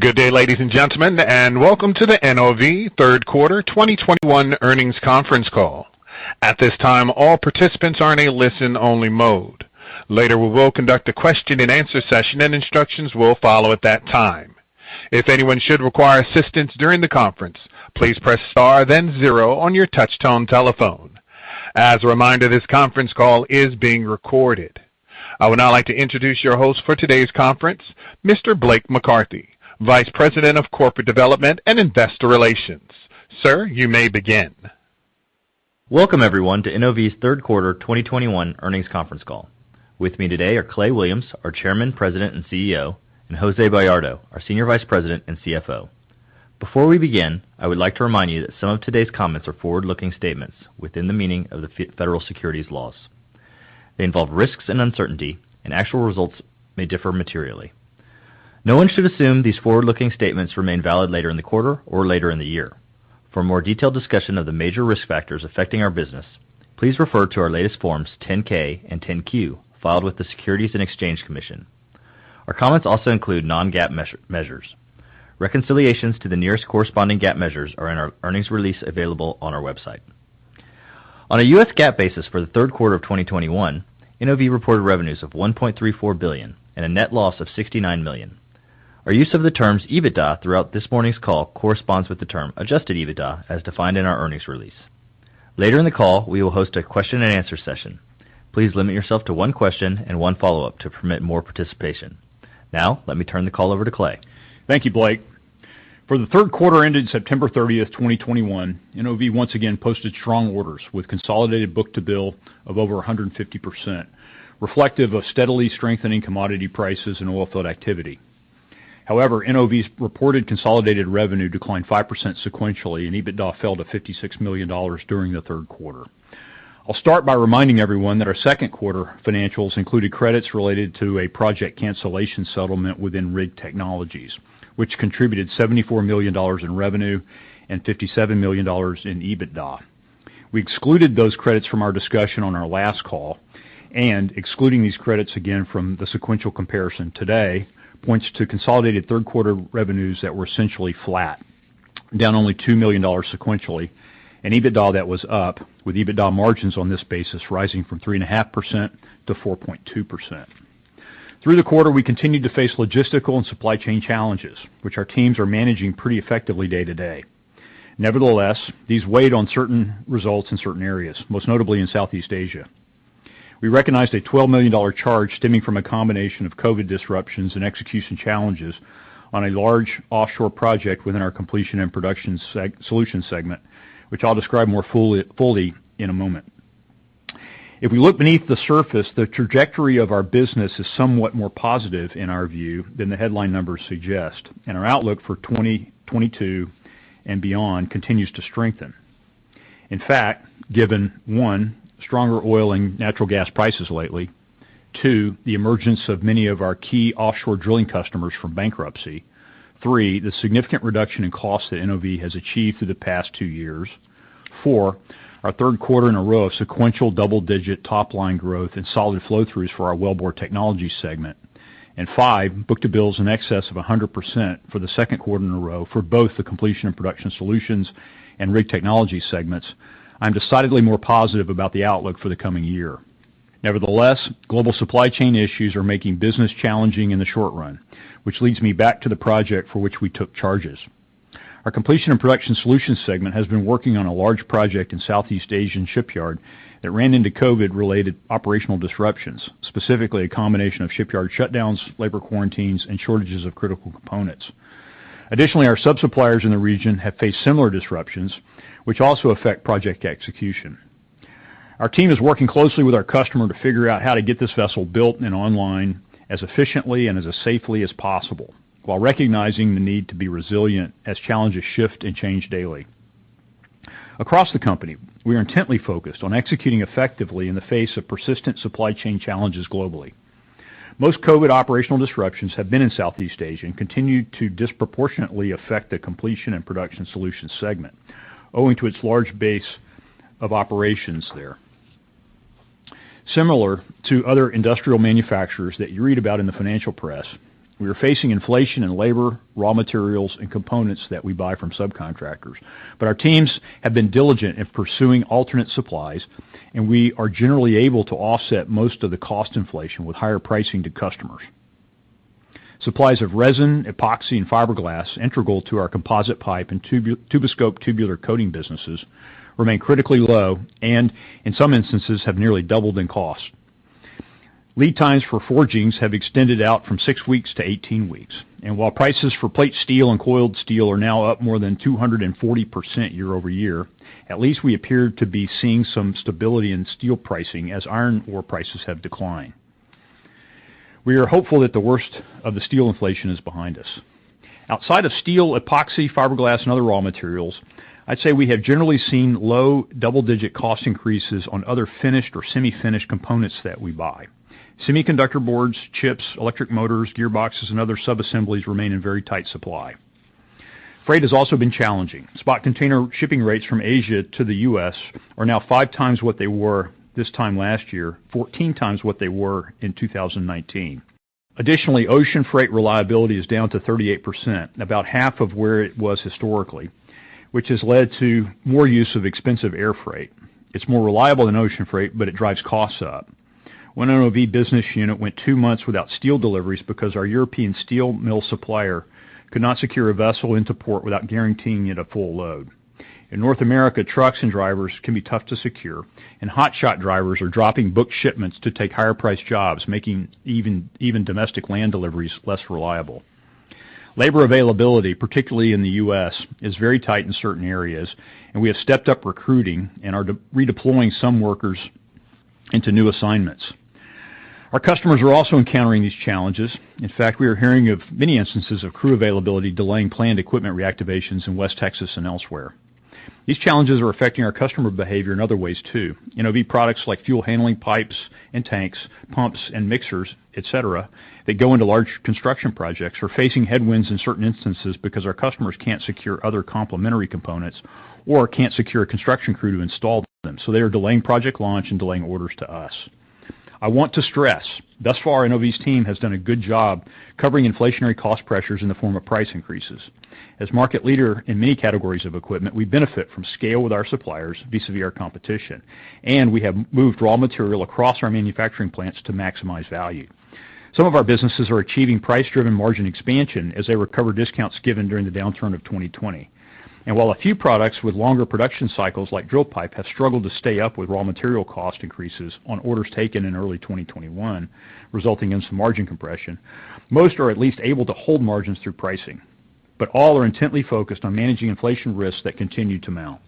Good day ladies and gentlemen, and welcome to the NOV third quarter 2021 earnings conference call. At this time, all participants are in a listen-only mode. Later, we will conduct a question-and-answer session, and instructions will follow at that time. If anyone should require assistance during the conference, please press Star, then zero on your touchtone telephone. As a reminder, this conference call is being recorded. I would now like to introduce your host for today's conference, Mr. Blake McCarthy, Vice President of Corporate Development and Investor Relations. Sir, you may begin. Welcome everyone to NOV's third quarter 2021 earnings conference call. With me today are Clay Williams, our Chairman, President, and CEO, and Jose Bayardo, our Senior Vice President and CFO. Before we begin, I would like to remind you that some of today's comments are forward-looking statements within the meaning of the federal securities laws. They involve risks and uncertainty, and actual results may differ materially. No one should assume these forward-looking statements remain valid later in the quarter or later in the year. For more detailed discussion of the major risk factors affecting our business, please refer to our latest Forms 10-K and 10-Q filed with the Securities and Exchange Commission. Our comments also include non-GAAP measures. Reconciliations to the nearest corresponding GAAP measures are in our earnings release available on our website. On a U.S. GAAP basis for the third quarter of 2021, NOV reported revenues of $1.34 billion and a net loss of $69 million. Our use of the terms EBITDA throughout this morning's call corresponds with the term adjusted EBITDA as defined in our earnings release. Later in the call, we will host a question-and-answer session. Please limit yourself to one question and one follow-up to permit more participation. Now, let me turn the call over to Clay. Thank you Blake. For the third quarter ending September 30th, 2021, NOV once again posted strong orders with consolidated book-to-bill of over 150%, reflective of steadily strengthening commodity prices and oil field activity. However, NOV's reported consolidated revenue declined 5% sequentially, and EBITDA fell to $56 million during the third quarter. I'll start by reminding everyone that our second quarter financials included credits related to a project cancellation settlement within Rig Technologies, which contributed $74 million in revenue and $57 million in EBITDA. We excluded those credits from our discussion on our last call, and excluding these credits again from the sequential comparison today points to consolidated third quarter revenues that were essentially flat, down only $2 million sequentially, and EBITDA that was up, with EBITDA margins on this basis rising from 3.5% to 4.2%. Through the quarter, we continued to face logistical and supply chain challenges, which our teams are managing pretty effectively day to day. Nevertheless, these weighed on certain results in certain areas, most notably in Southeast Asia. We recognized a $12 million charge stemming from a combination of COVID disruptions and execution challenges on a large offshore project within our Completion & Production Solutions segment, which I'll describe more fully in a moment. If we look beneath the surface, the trajectory of our business is somewhat more positive in our view than the headline numbers suggest, and our outlook for 2022 and beyond continues to strengthen. In fact, given one, stronger oil and natural gas prices lately, two, the emergence of many of our key offshore drilling customers from bankruptcy, three, the significant reduction in cost that NOV has achieved through the past two years, four, our third quarter in a row of sequential double-digit top-line growth and solid flow-throughs for our Wellbore Technologies segment, and five, book-to-bill is in excess of 100% for the second quarter in a row for both the Completion & Production Solutions and Rig Technologies segments. I'm decidedly more positive about the outlook for the coming year. Nevertheless, global supply chain issues are making business challenging in the short run, which leads me back to the project for which we took charges. Our Completion & Production Solutions segment has been working on a large project in Southeast Asian shipyard that ran into COVID-related operational disruptions, specifically a combination of shipyard shutdowns, labor quarantines, and shortages of critical components. Additionally, our sub-suppliers in the region have faced similar disruptions, which also affect project execution. Our team is working closely with our customer to figure out how to get this vessel built and online as efficiently and as safely as possible, while recognizing the need to be resilient as challenges shift and change daily. Across the company, we are intently focused on executing effectively in the face of persistent supply chain challenges globally. Most COVID operational disruptions have been in Southeast Asia and continue to disproportionately affect the Completion and Production Solutions segment, owing to its large base of operations there. Similar to other industrial manufacturers that you read about in the financial press, we are facing inflation in labor, raw materials, and components that we buy from subcontractors. Our teams have been diligent in pursuing alternate supplies, and we are generally able to offset most of the cost inflation with higher pricing to customers. Supplies of resin, epoxy, and fiberglass integral to our composite pipe and Tuboscope tubular coating businesses remain critically low and in some instances have nearly doubled in cost. Lead times for forgings have extended out from 6 weeks to 18 weeks. While prices for plate steel and coiled steel are now up more than 240% year-over-year, at least we appear to be seeing some stability in steel pricing as iron ore prices have declined. We are hopeful that the worst of the steel inflation is behind us. Outside of steel, epoxy, fiberglass, and other raw materials, I'd say we have generally seen low double-digit cost increases on other finished or semi-finished components that we buy. Semiconductor boards, chips, electric motors, gearboxes, and other sub-assemblies remain in very tight supply. Freight has also been challenging. Spot container shipping rates from Asia to the U.S. are now five times what they were this time last year, 14 times what they were in 2019. Additionally, ocean freight reliability is down to 38%, about half of where it was historically, which has led to more use of expensive air freight. It's more reliable than ocean freight, but it drives costs up. One NOV business unit went two months without steel deliveries because our European steel mill supplier could not secure a vessel into port without guaranteeing it a full load. In North America, trucks and drivers can be tough to secure, and hotshot drivers are dropping booked shipments to take higher priced jobs, making even domestic land deliveries less reliable. Labor availability particularly in the U.S., is very tight in certain areas, and we have stepped up recruiting and are redeploying some workers into new assignments. Our customers are also encountering these challenges. In fact, we are hearing of many instances of crew availability delaying planned equipment reactivations in West Texas and elsewhere. These challenges are affecting our customer behavior in other ways too. NOV products like fuel handling pipes and tanks, pumps and mixers, et cetera, that go into large construction projects are facing headwinds in certain instances because our customers can't secure other complementary components or can't secure a construction crew to install them, so they are delaying project launch and delaying orders to us. I want to stress, thus far, NOV's team has done a good job covering inflationary cost pressures in the form of price increases. As market leader in many categories of equipment, we benefit from scale with our suppliers vis-à-vis our competition, and we have moved raw material across our manufacturing plants to maximize value. Some of our businesses are achieving price-driven margin expansion as they recover discounts given during the downturn of 2020. While a few products with longer production cycles, like drill pipe, have struggled to stay up with raw material cost increases on orders taken in early 2021, resulting in some margin compression, most are at least able to hold margins through pricing. All are intently focused on managing inflation risks that continue to mount.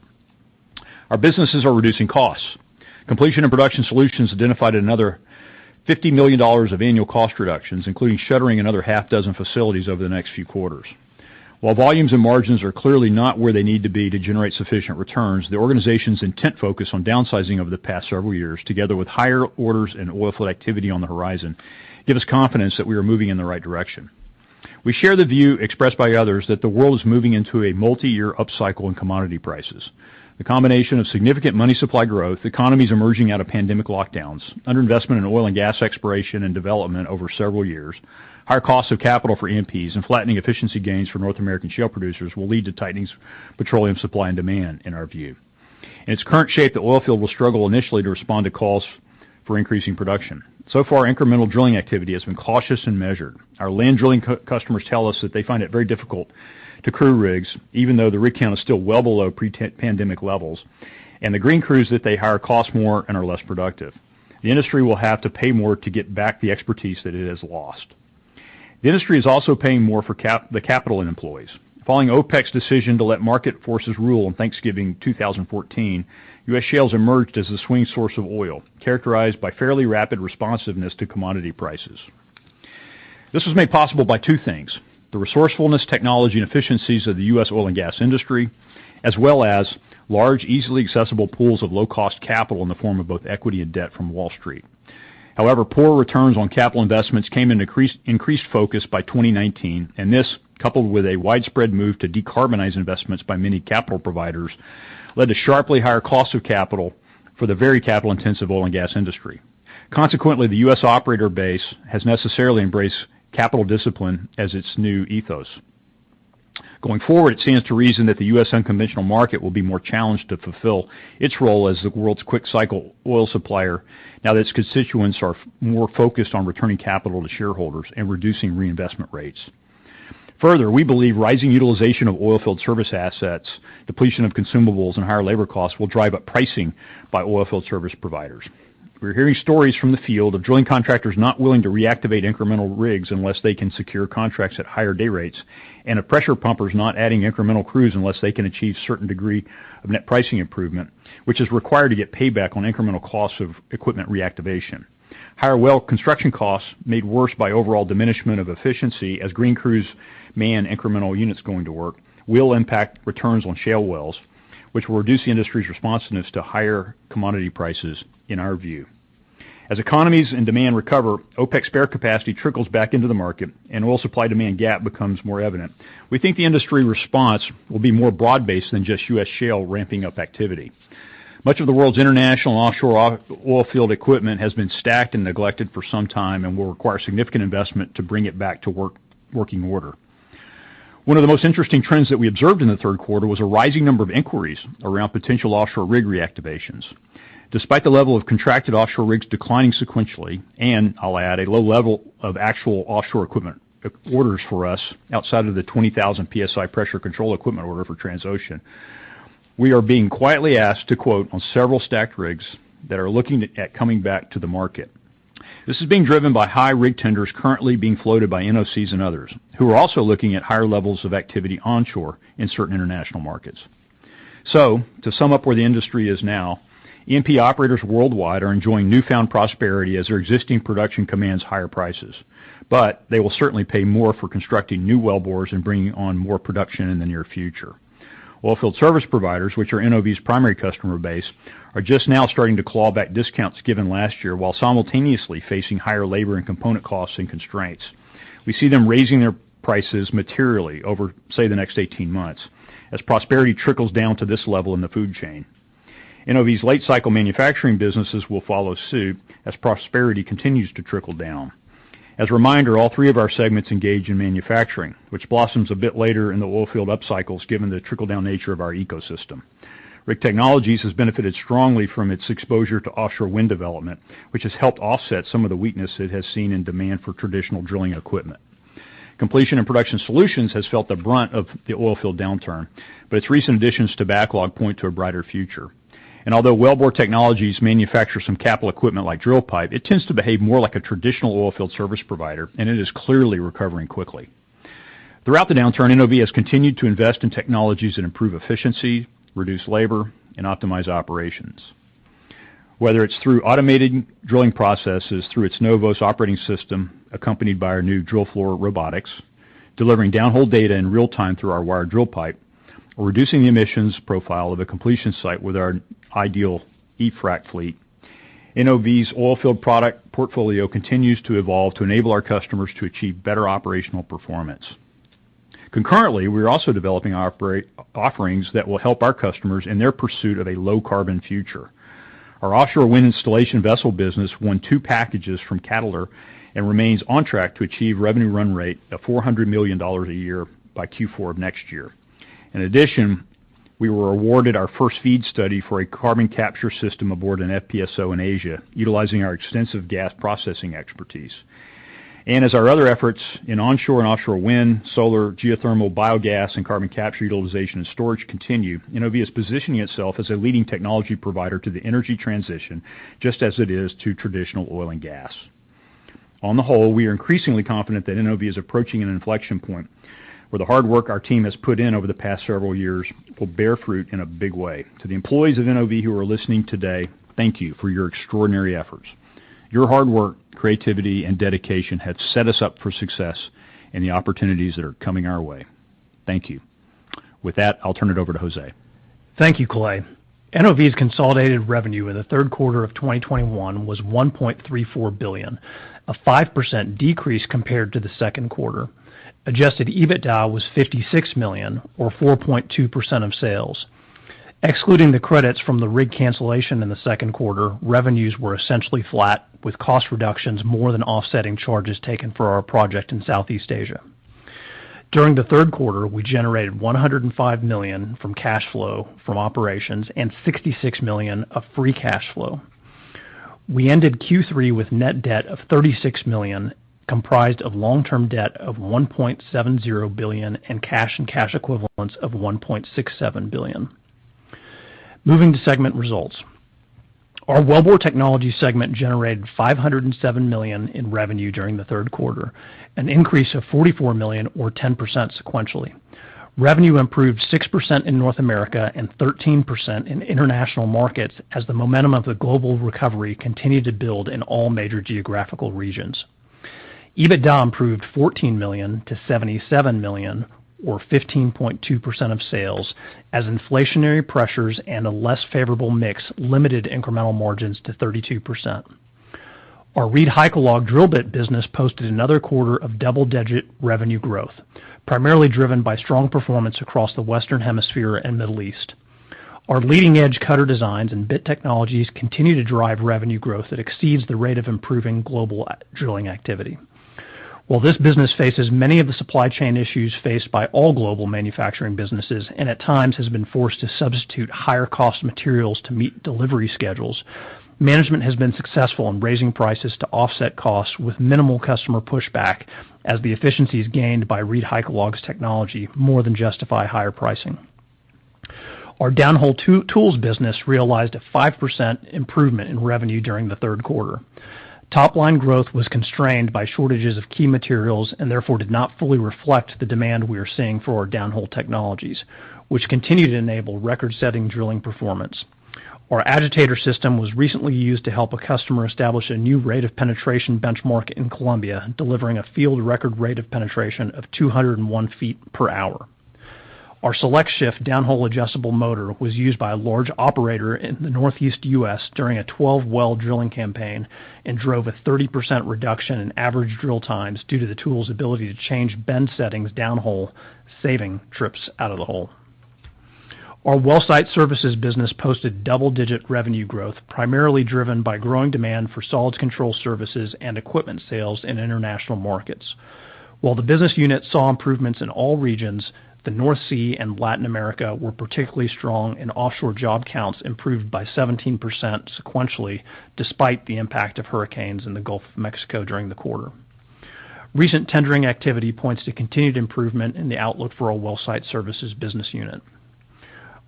Our businesses are reducing costs. Completion & Production Solutions identified another $50 million of annual cost reductions, including shuttering another half dozen facilities over the next few quarters. While volumes and margins are clearly not where they need to be to generate sufficient returns, the organization's intense focus on downsizing over the past several years, together with higher orders and oilfield activity on the horizon, give us confidence that we are moving in the right direction. We share the view expressed by others that the world is moving into a multiyear upcycle in commodity prices. The combination of significant money supply growth, economies emerging out of pandemic lockdowns, underinvestment in oil and gas exploration and development over several years, higher costs of capital for E&Ps, and flattening efficiency gains for North American shale producers will lead to tightening petroleum supply and demand, in our view. In its current shape, the oilfield will struggle initially to respond to calls for increasing production. So far, incremental drilling activity has been cautious and measured. Our land drilling customers tell us that they find it very difficult to crew rigs, even though the rig count is still well below pre-pandemic levels, and the green crews that they hire cost more and are less productive. The industry will have to pay more to get back the expertise that it has lost. The industry is also paying more for the capital it employs. Following OPEC's decision to let market forces rule on Thanksgiving 2014, U.S. shales emerged as the swing source of oil, characterized by fairly rapid responsiveness to commodity prices. This was made possible by two things, the resourcefulness, technology, and efficiencies of the U.S. oil and gas industry, as well as large, easily accessible pools of low-cost capital in the form of both equity and debt from Wall Street. However, poor returns on capital investments came into increased focus by 2019, and this coupled with a widespread move to decarbonize investments by many capital providers, led to sharply higher costs of capital for the very capital-intensive oil and gas industry. Consequently, the U.S. operator base has necessarily embraced capital discipline as its new ethos. Going forward, it stands to reason that the U.S. unconventional market will be more challenged to fulfill its role as the world's quick cycle oil supplier now that its constituents are more focused on returning capital to shareholders and reducing reinvestment rates. Further, we believe rising utilization of oilfield service assets, depletion of consumables, and higher labor costs will drive up pricing by oilfield service providers. We're hearing stories from the field of drilling contractors not willing to reactivate incremental rigs unless they can secure contracts at higher day rates and of pressure pumpers not adding incremental crews unless they can achieve certain degree of net pricing improvement, which is required to get payback on incremental costs of equipment reactivation. Higher well construction costs made worse by overall diminishment of efficiency as green crews man incremental units going to work will impact returns on shale wells, which will reduce the industry's responsiveness to higher commodity prices in our view. As economies and demand recover, OPEC spare capacity trickles back into the market and oil supply demand gap becomes more evident. We think the industry response will be more broad-based than just U.S. shale ramping up activity. Much of the world's international offshore oil field equipment has been stacked and neglected for some time and will require significant investment to bring it back to working order. One of the most interesting trends that we observed in the third quarter was a rising number of inquiries around potential offshore rig reactivations. Despite the level of contracted offshore rigs declining sequentially, and I'll add a low level of actual offshore equipment orders for us outside of the 20,000 PSI pressure control equipment order for Transocean, we are being quietly asked to quote on several stacked rigs that are looking at coming back to the market. This is being driven by high rig tenders currently being floated by NOCs and others who are also looking at higher levels of activity onshore in certain international markets. To sum up where the industry is now, E&P operators worldwide are enjoying newfound prosperity as their existing production commands higher prices. They will certainly pay more for constructing new wellbores and bringing on more production in the near future. Oilfield service providers, which are NOV's primary customer base, are just now starting to claw back discounts given last year while simultaneously facing higher labor and component costs and constraints. We see them raising their prices materially over, say, the next 18 months as prosperity trickles down to this level in the food chain. NOV's late cycle manufacturing businesses will follow suit as prosperity continues to trickle down. As a reminder, all three of our segments engage in manufacturing, which blossoms a bit later in the oilfield upcycles given the trickle-down nature of our ecosystem. Rig Technologies has benefited strongly from its exposure to offshore wind development, which has helped offset some of the weakness it has seen in demand for traditional drilling equipment. Completion & Production Solutions has felt the brunt of the oilfield downturn, but its recent additions to backlog point to a brighter future. Although Wellbore Technologies manufactures some capital equipment like drill pipe, it tends to behave more like a traditional oilfield service provider, and it is clearly recovering quickly. Throughout the downturn, NOV has continued to invest in technologies that improve efficiency, reduce labor, and optimize operations. Whether it's through automated drilling processes through its NOVOS operating system, accompanied by our new drill floor robotics delivering downhole data in real time through our wired drill pipe, or reducing the emissions profile of a completion site with our Ideal eFrac fleet. NOV's oilfield product portfolio continues to evolve to enable our customers to achieve better operational performance. Concurrently, we're also developing offerings that will help our customers in their pursuit of a low carbon future. Our offshore wind installation vessel business won two packages from Cadeler and remains on track to achieve revenue run rate of $400 million a year by Q4 of next year. In addition, we were awarded our first FEED study for a carbon capture system aboard an FPSO in Asia, utilizing our extensive gas processing expertise. As our other efforts in onshore and offshore wind, solar, geothermal, biogas, and carbon capture utilization and storage continue, NOV is positioning itself as a leading technology provider to the energy transition, just as it is to traditional oil and gas. On the whole, we are increasingly confident that NOV is approaching an inflection point where the hard work our team has put in over the past several years will bear fruit in a big way. To the employees of NOV who are listening today, thank you for your extraordinary efforts. Your hard work, creativity, and dedication have set us up for success and the opportunities that are coming our way. Thank you. With that, I'll turn it over to Jose. Thank you Clay. NOV's consolidated revenue in the third quarter of 2021 was $1.34 billion, a 5% decrease compared to the second quarter. Adjusted EBITDA was $56 million or 4.2% of sales. Excluding the credits from the rig cancellation in the second quarter, revenues were essentially flat, with cost reductions more than offsetting charges taken for our project in Southeast Asia. During the third quarter, we generated $105 million from cash flow from operations and $66 million of free cash flow. We ended Q3 with net debt of $36 million, comprised of long-term debt of $1.70 billion and cash and cash equivalents of $1.67 billion. Moving to segment results. Our Wellbore Technologies segment generated $507 million in revenue during the third quarter, an increase of $44 million or 10% sequentially. Revenue improved 6% in North America and 13% in international markets as the momentum of the global recovery continued to build in all major geographical regions. EBITDA improved $14 million to $77 million or 15.2% of sales as inflationary pressures and a less favorable mix limited incremental margins to 32%. Our ReedHycalog drill bit business posted another quarter of double-digit revenue growth, primarily driven by strong performance across the Western Hemisphere and Middle East. Our leading-edge cutter designs and bit technologies continue to drive revenue growth that exceeds the rate of improving global drilling activity. While this business faces many of the supply chain issues faced by all global manufacturing businesses and at times has been forced to substitute higher cost materials to meet delivery schedules, management has been successful in raising prices to offset costs with minimal customer pushback as the efficiencies gained by ReedHycalog's technology more than justify higher pricing. Our downhole tools business realized a 5% improvement in revenue during the third quarter. Top line growth was constrained by shortages of key materials and therefore did not fully reflect the demand we are seeing for our downhole technologies, which continue to enable record-setting drilling performance. Our agitator system was recently used to help a customer establish a new rate of penetration benchmark in Colombia, delivering a field record rate of penetration of 201 feet per hour. Our SelectShift downhole adjustable motor was used by a large operator in the Northeast U.S. during a 12-well drilling campaign and drove a 30% reduction in average drill times due to the tool's ability to change bend settings downhole, saving trips out of the hole. Our WellSite Services business posted double-digit revenue growth, primarily driven by growing demand for solids control services and equipment sales in international markets. While the business unit saw improvements in all regions, the North Sea and Latin America were particularly strong, and offshore job counts improved by 17% sequentially, despite the impact of hurricanes in the Gulf of Mexico during the quarter. Recent tendering activity points to continued improvement in the outlook for our WellSite Services business unit.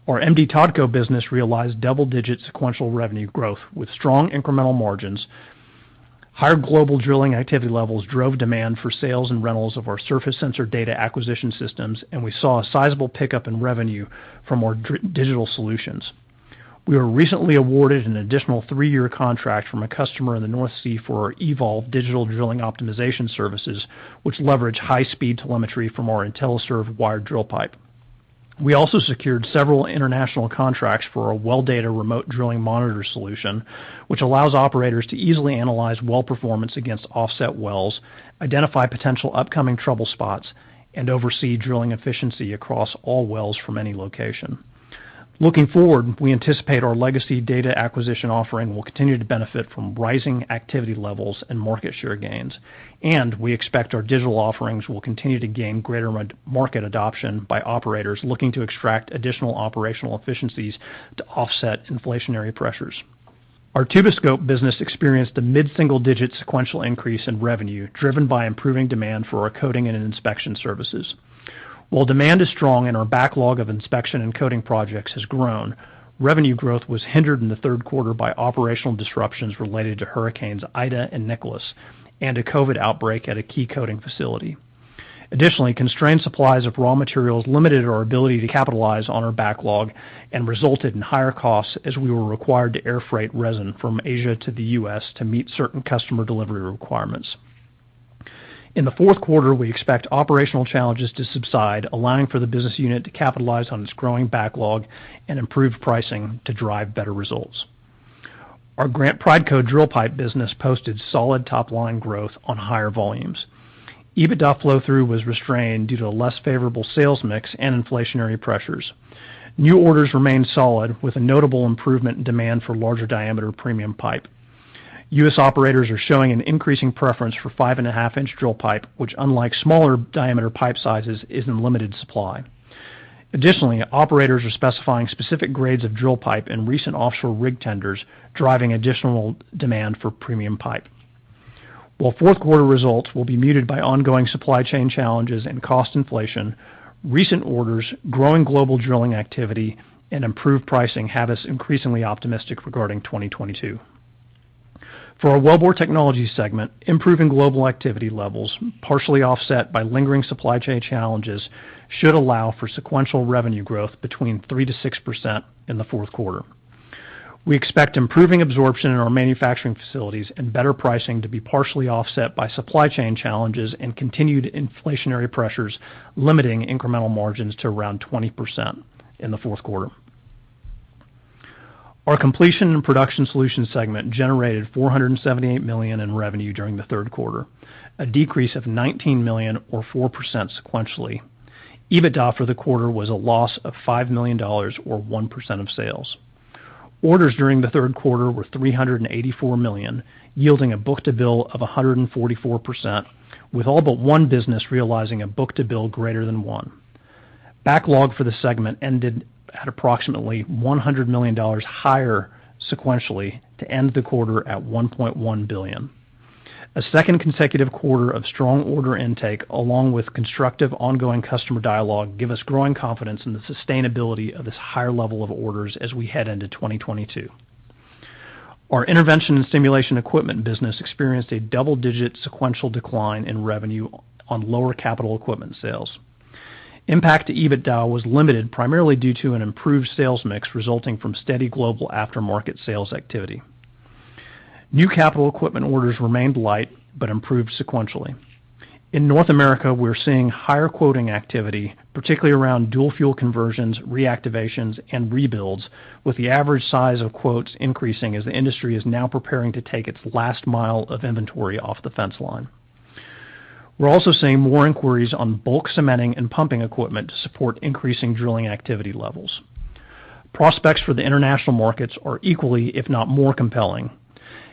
Our M/D Totco business realized double-digit sequential revenue growth with strong incremental margins. Higher global drilling activity levels drove demand for sales and rentals of our surface sensor data acquisition systems, and we saw a sizable pickup in revenue from our digital solutions. We were recently awarded an additional three-year contract from a customer in the North Sea for our eVolve digital drilling optimization services, which leverage high-speed telemetry from our IntelliServ wired drill pipe. We also secured several international contracts for our well data remote drilling monitor solution, which allows operators to easily analyze well performance against offset wells, identify potential upcoming trouble spots, and oversee drilling efficiency across all wells from any location. Looking forward, we anticipate our legacy data acquisition offering will continue to benefit from rising activity levels and market share gains. We expect our digital offerings will continue to gain greater market adoption by operators looking to extract additional operational efficiencies to offset inflationary pressures. Our Tuboscope business experienced a mid-single-digit sequential increase in revenue, driven by improving demand for our coating and inspection services. While demand is strong and our backlog of inspection and coating projects has grown, revenue growth was hindered in the third quarter by operational disruptions related to Hurricane Ida and Hurricane Nicholas and a COVID outbreak at a key coating facility. Additionally, constrained supplies of raw materials limited our ability to capitalize on our backlog and resulted in higher costs as we were required to air freight resin from Asia to the U.S. to meet certain customer delivery requirements. In the fourth quarter, we expect operational challenges to subside, allowing for the business unit to capitalize on its growing backlog and improved pricing to drive better results. Our Grant Prideco drill pipe business posted solid top-line growth on higher volumes. EBITDA flow-through was restrained due to a less favorable sales mix and inflationary pressures. New orders remained solid, with a notable improvement in demand for larger diameter premium pipe. U.S. operators are showing an increasing preference for five-and-a-half-inch drill pipe, which unlike smaller diameter pipe sizes, is in limited supply. Additionally, operators are specifying specific grades of drill pipe in recent offshore rig tenders, driving additional demand for premium pipe. While fourth quarter results will be muted by ongoing supply chain challenges and cost inflation, recent orders, growing global drilling activity, and improved pricing have us increasingly optimistic regarding 2022. For our Wellbore Technologies segment, improving global activity levels partially offset by lingering supply chain challenges, should allow for sequential revenue growth between 3%-6% in the fourth quarter. We expect improving absorption in our manufacturing facilities and better pricing to be partially offset by supply chain challenges and continued inflationary pressures, limiting incremental margins to around 20% in the fourth quarter. Our Completion & Production Solutions segment generated $478 million in revenue during the third quarter, a decrease of $19 million or 4% sequentially. EBITDA for the quarter was a loss of $5 million or 1% of sales. Orders during the third quarter were $384 million, yielding a book-to-bill of 144%, with all but one business realizing a book-to-bill greater than one. Backlog for the segment ended at approximately $100 million higher sequentially to end the quarter at $1.1 billion. A second consecutive quarter of strong order intake, along with constructive ongoing customer dialogue, give us growing confidence in the sustainability of this higher level of orders as we head into 2022. Our intervention and stimulation equipment business experienced a double-digit sequential decline in revenue on lower capital equipment sales. Impact to EBITDA was limited primarily due to an improved sales mix resulting from steady global aftermarket sales activity. New capital equipment orders remained light but improved sequentially. In North America, we're seeing higher quoting activity, particularly around dual-fuel conversions, reactivations, and rebuilds, with the average size of quotes increasing as the industry is now preparing to take its last mile of inventory off the fence line. We're also seeing more inquiries on bulk cementing and pumping equipment to support increasing drilling activity levels. Prospects for the international markets are equally, if not more compelling.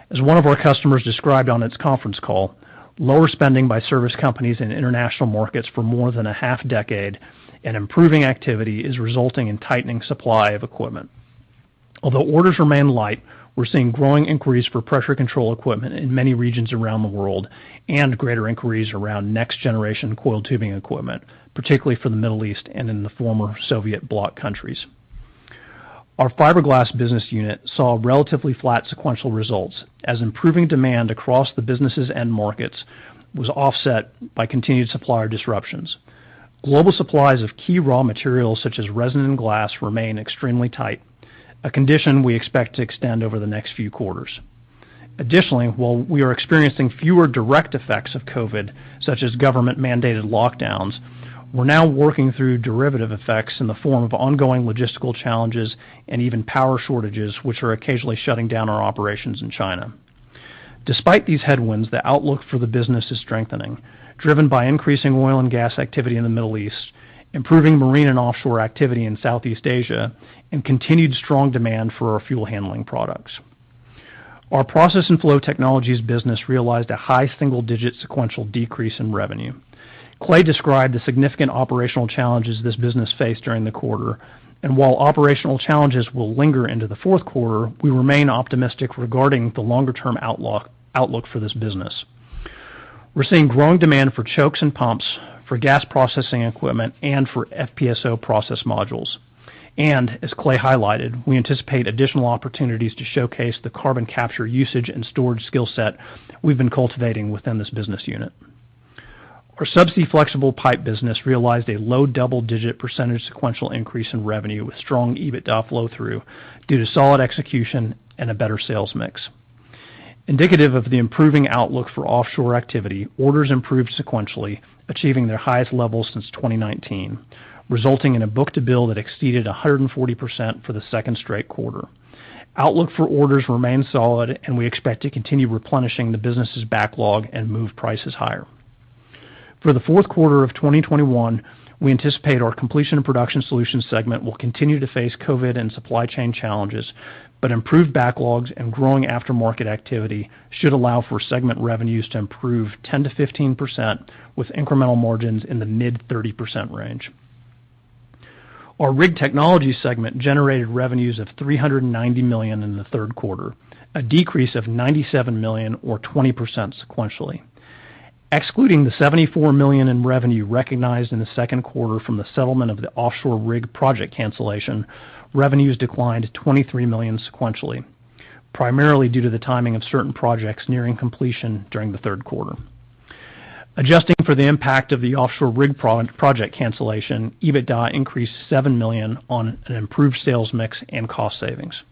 As one of our customers described on its conference call, lower spending by service companies in international markets for more than a half decade and improving activity is resulting in tightening supply of equipment. Although orders remain light, we're seeing growing inquiries for pressure control equipment in many regions around the world and greater inquiries around next-generation coiled tubing equipment, particularly for the Middle East and in the former Soviet bloc countries. Our fiberglass business unit saw relatively flat sequential results as improving demand across the businesses and markets was offset by continued supplier disruptions. Global supplies of key raw materials such as resin and glass remain extremely tight, a condition we expect to extend over the next few quarters. Additionally, while we are experiencing fewer direct effects of COVID such as government-mandated lockdowns, we're now working through derivative effects in the form of ongoing logistical challenges and even power shortages, which are occasionally shutting down our operations in China. Despite these headwinds, the outlook for the business is strengthening, driven by increasing oil and gas activity in the Middle East, improving marine and offshore activity in Southeast Asia, and continued strong demand for our fuel handling products. Our process and flow technologies business realized a high single-digit sequential decrease in revenue. Clay described the significant operational challenges this business faced during the quarter. While operational challenges will linger into the fourth quarter, we remain optimistic regarding the longer-term outlook for this business. We're seeing growing demand for chokes and pumps, for gas processing equipment, and for FPSO process modules. As Clay highlighted, we anticipate additional opportunities to showcase the carbon capture usage and storage skill set we've been cultivating within this business unit. Our subsea flexible pipe business realized a low double-digit % sequential increase in revenue with strong EBITDA flow through due to solid execution and a better sales mix. Indicative of the improving outlook for offshore activity, orders improved sequentially, achieving their highest levels since 2019, resulting in a book-to-bill that exceeded 140% for the second straight quarter. Outlook for orders remain solid, and we expect to continue replenishing the business's backlog and move prices higher. For the fourth quarter of 2021, we anticipate our Completion and Production Solutions segment will continue to face COVID and supply chain challenges, but improved backlogs and growing aftermarket activity should allow for segment revenues to improve 10%-15% with incremental margins in the mid-30% range. Our Rig Technologies segment generated revenues of $390 million in the third quarter, a decrease of $97 million or 20% sequentially. Excluding the $74 million in revenue recognized in the second quarter from the settlement of the offshore rig project cancellation, revenues declined by $23 million sequentially, primarily due to the timing of certain projects nearing completion during the third quarter. Adjusting for the impact of the offshore rig project cancellation, EBITDA increased $7 million on an improved sales mix and cost savings.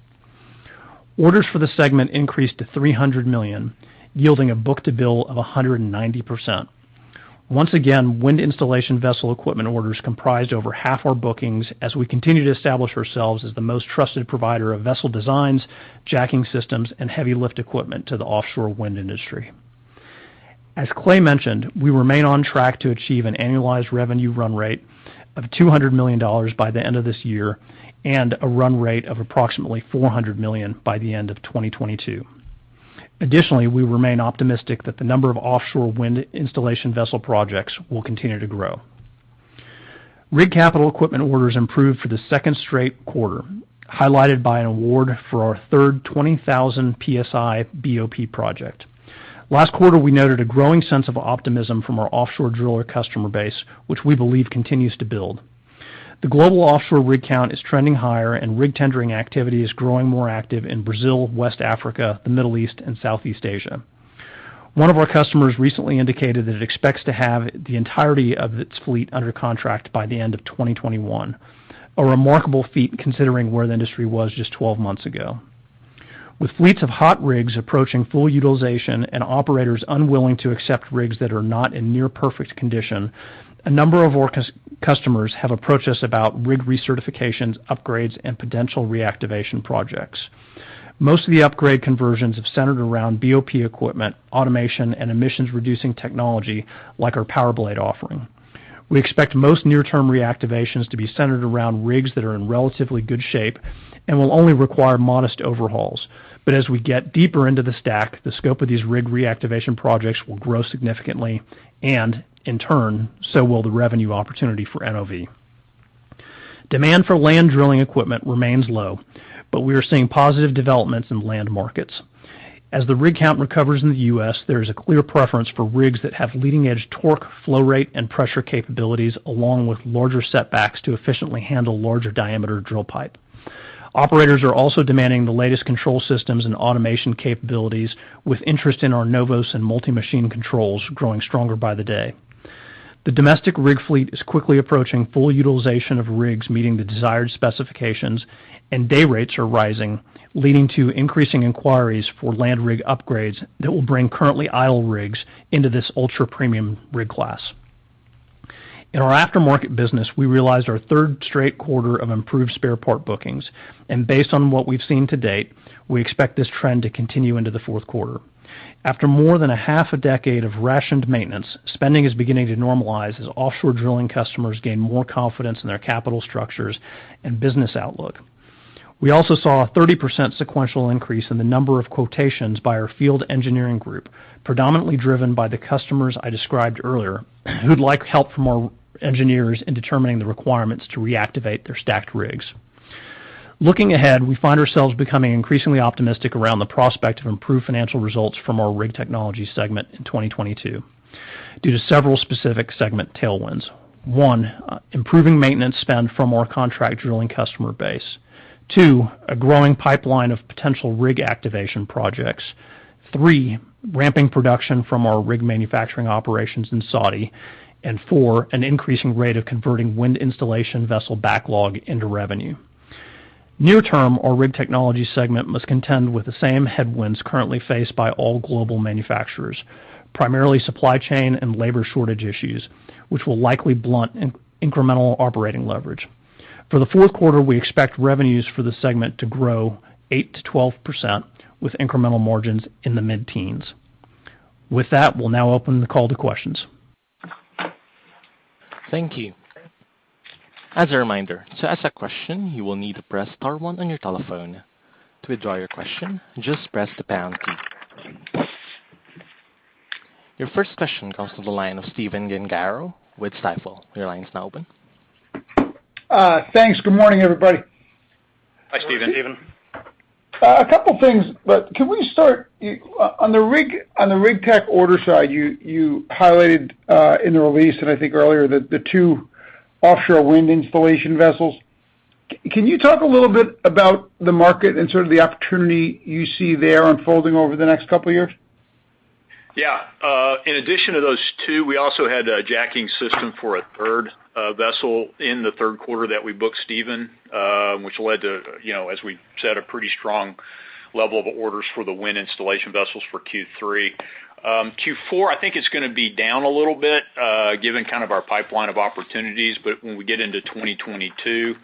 Orders for the segment increased to $300 million, yielding a book-to-bill of 190%. Once again, wind installation vessel equipment orders comprised over half our bookings as we continue to establish ourselves as the most trusted provider of vessel designs, jacking systems, and heavy lift equipment to the offshore wind industry. As Clay mentioned, we remain on track to achieve an annualized revenue run rate of $200 million by the end of this year and a run rate of approximately $400 million by the end of 2022. Additionally, we remain optimistic that the number of offshore wind installation vessel projects will continue to grow. Rig capital equipment orders improved for the second straight quarter, highlighted by an award for our third 20,000 PSI BOP project. Last quarter, we noted a growing sense of optimism from our offshore driller customer base, which we believe continues to build. The global offshore rig count is trending higher and rig tendering activity is growing more active in Brazil, West Africa, the Middle East, and Southeast Asia. One of our customers recently indicated that it expects to have the entirety of its fleet under contract by the end of 2021, a remarkable feat considering where the industry was just 12 months ago. With fleets of hot rigs approaching full utilization and operators unwilling to accept rigs that are not in near perfect condition, a number of our customers have approached us about rig recertifications, upgrades, and potential reactivation projects. Most of the upgrade conversions have centered around BOP equipment, automation, and emissions-reducing technology like our PowerBlade offering. We expect most near term reactivations to be centered around rigs that are in relatively good shape and will only require modest overhauls. As we get deeper into the stack, the scope of these rig reactivation projects will grow significantly, and in turn, so will the revenue opportunity for NOV. Demand for land drilling equipment remains low, but we are seeing positive developments in land markets. As the rig count recovers in the U.S., there is a clear preference for rigs that have leading edge torque, flow rate, and pressure capabilities, along with larger setbacks to efficiently handle larger diameter drill pipe. Operators are also demanding the latest control systems and automation capabilities with interest in our NOVOS and multi-machine controls growing stronger by the day. The domestic rig fleet is quickly approaching full utilization of rigs meeting the desired specifications, and day rates are rising, leading to increasing inquiries for land rig upgrades that will bring currently idle rigs into this ultra premium rig class. In our aftermarket business, we realized our third straight quarter of improved spare part bookings. Based on what we've seen to date, we expect this trend to continue into the fourth quarter. After more than a half a decade of rationed maintenance, spending is beginning to normalize as offshore drilling customers gain more confidence in their capital structures and business outlook. We also saw a 30% sequential increase in the number of quotations by our field engineering group, predominantly driven by the customers I described earlier who'd like help from our engineers in determining the requirements to reactivate their stacked rigs. Looking ahead, we find ourselves becoming increasingly optimistic around the prospect of improved financial results from our Rig Technologies segment in 2022 due to several specific segment tailwinds. One, improving maintenance spend from our contract drilling customer base. Two, a growing pipeline of potential rig activation projects. Three, ramping production from our rig manufacturing operations in Saudi. And four, an increasing rate of converting wind installation vessel backlog into revenue. Near term, our Rig Technologies segment must contend with the same headwinds currently faced by all global manufacturers, primarily supply chain and labor shortage issues, which will likely blunt incremental operating leverage. For the fourth quarter, we expect revenues for the segment to grow 8%-12% with incremental margins in the mid-teens%. With that, we'll now open the call to questions. Thank you. As a reminder, to ask a question, you will need to press star one on your telephone. To withdraw your question, just press the pound key. Your first question comes to the line of Stephen Gengaro with Stifel. Your line is now open. Thanks. Good morning everybody. Hi Stephen. Stephen. A couple of things, but can we start on the rig tech order side, you highlighted in the release and I think earlier that the two offshore wind installation vessels. Can you talk a little bit about the market and sort of the opportunity you see there unfolding over the next couple of years? Yeah. In addition to those two, we also had a jacking system for a third vessel in the third quarter that we booked, Stephen, which led to, you know, as we said, a pretty strong level of orders for the wind installation vessels for Q3. Q4, I think it's gonna be down a little bit, given kind of our pipeline of opportunities. When we get into 2022,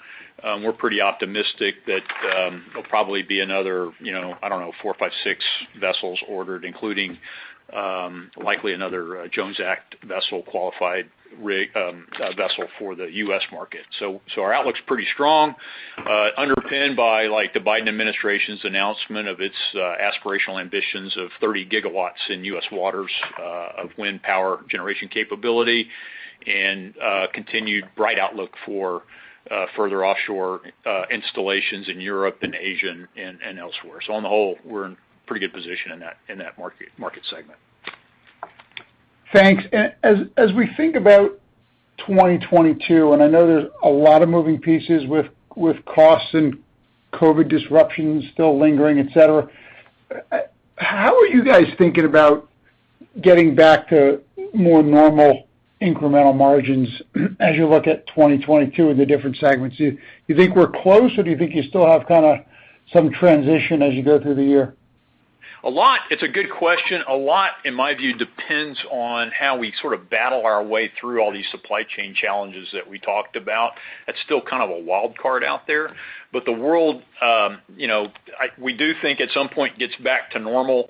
we're pretty optimistic that it'll probably be another, you know, I don't know, four, five, six vessels ordered, including likely another Jones Act vessel qualified rig vessel for the U.S. market. Our outlook's pretty strong, underpinned by, like, the Biden administration's announcement of its aspirational ambitions of 30 gigawatts in U.S. waters of wind power generation capability and continued bright outlook for further offshore installations in Europe and Asia and elsewhere. On the whole, we're in pretty good position in that market segment. Thanks. As we think about 2022, and I know there's a lot of moving parts with costs and COVID disruptions still lingering, et cetera. How are you guys thinking about getting back to more normal incremental margins as you look at 2022 in the different segments? Do you think we're close, or do you think you still have kind of some transition as you go through the year? It's a good question. A lot in my view, depends on how we sort of battle our way through all these supply chain challenges that we talked about. That's still kind of a wild card out there. The world, you know, we do think at some point gets back to normal,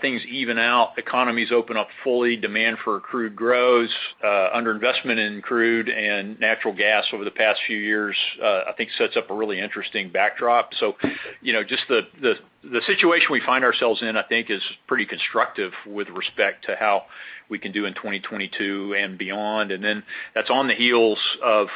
things even out, economies open up fully, demand for crude grows, under investment in crude and natural gas over the past few years, I think sets up a really interesting backdrop. You know just the situation we find ourselves in, I think is pretty constructive with respect to how we can do in 2022 and beyond. That's on the heels of